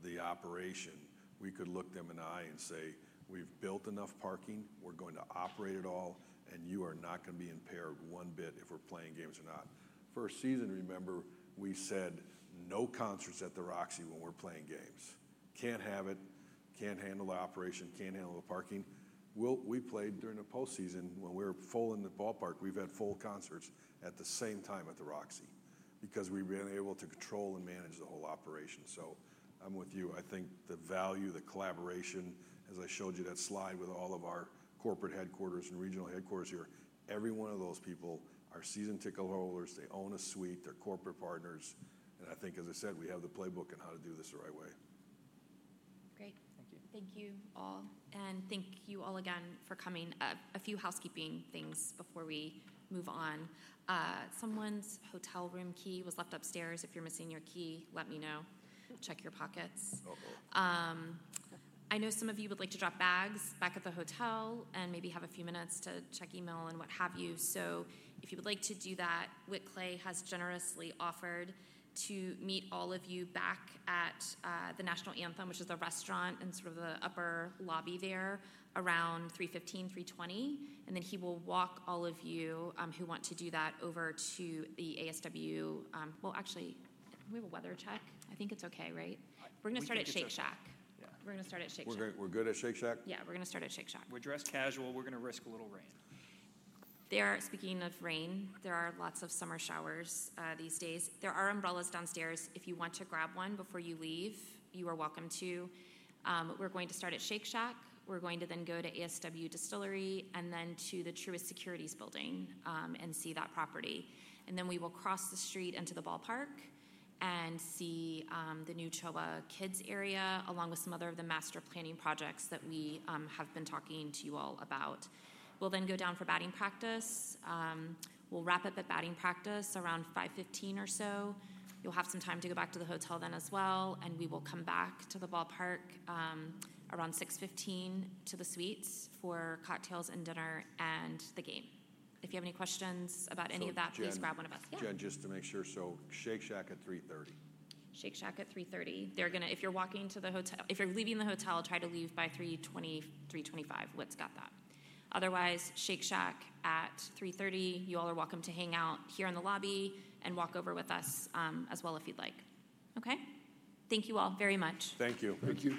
the operation, we could look them in the eye and say, "We've built enough parking. We're going to operate it all. You are not going to be impaired one bit if we're playing games or not." First season, remember, we said, "No concerts at the Roxie when we're playing games. Can't have it. Can't handle the operation. Can't handle the parking." We played during the postseason when we were full in the ballpark. We've had full concerts at the same time at the Roxie because we've been able to control and manage the whole operation. I'm with you. I think the value, the collaboration, as I showed you that slide with all of our corporate headquarters and regional headquarters here, every one of those people are season ticket holders. They own a suite. They're corporate partners. I think, as I said, we have the playbook on how to do this the right way. Great. Thank you. Thank you all. Thank you all again for coming. A few housekeeping things before we move on. Someone's hotel room key was left upstairs. If you're missing your key, let me know. Check your pockets. I know some of you would like to drop bags back at the hotel and maybe have a few minutes to check email and what have you. If you would like to do that, Wycliffe has generously offered to meet all of you back at the National Anthem, which is the restaurant in sort of the upper lobby there around 3:15, 3:20. He will walk all of you who want to do that over to the ASW. Actually, we have a weather check. I think it's okay, right? We're going to start at Shake Shack. We're good at Shake Shack? Yeah. We're going to start at Shake Shack. We're dressed casual. We're going to risk a little rain. Speaking of rain, there are lots of summer showers these days. There are umbrellas downstairs. If you want to grab one before you leave, you are welcome to. We're going to start at Shake Shack. We're going to then go to ASW Distillery and then to the Truist Securities Building and see that property. Then we will cross the street into the ballpark and see the new Chobah Kids area along with some other of the master planning projects that we have been talking to you all about. We'll then go down for batting practice. We'll wrap up at batting practice around 5:15 or so. You'll have some time to go back to the hotel then as well. We will come back to the ballpark around 6:15 P.M. to the suites for cocktails and dinner and the game. If you have any questions about any of that, please grab one of us. Just to make sure, Shake Shack at 3:30 P.M. Shake Shack at 3:30 P.M. If you're walking to the hotel, if you're leaving the hotel, try to leave by 3:25 P.M. Wycliffe's got that. Otherwise, Shake Shack at 3:30 P.M. You all are welcome to hang out here in the lobby and walk over with us as well if you'd like. Okay? Thank you all very much. Thank you. Thank you.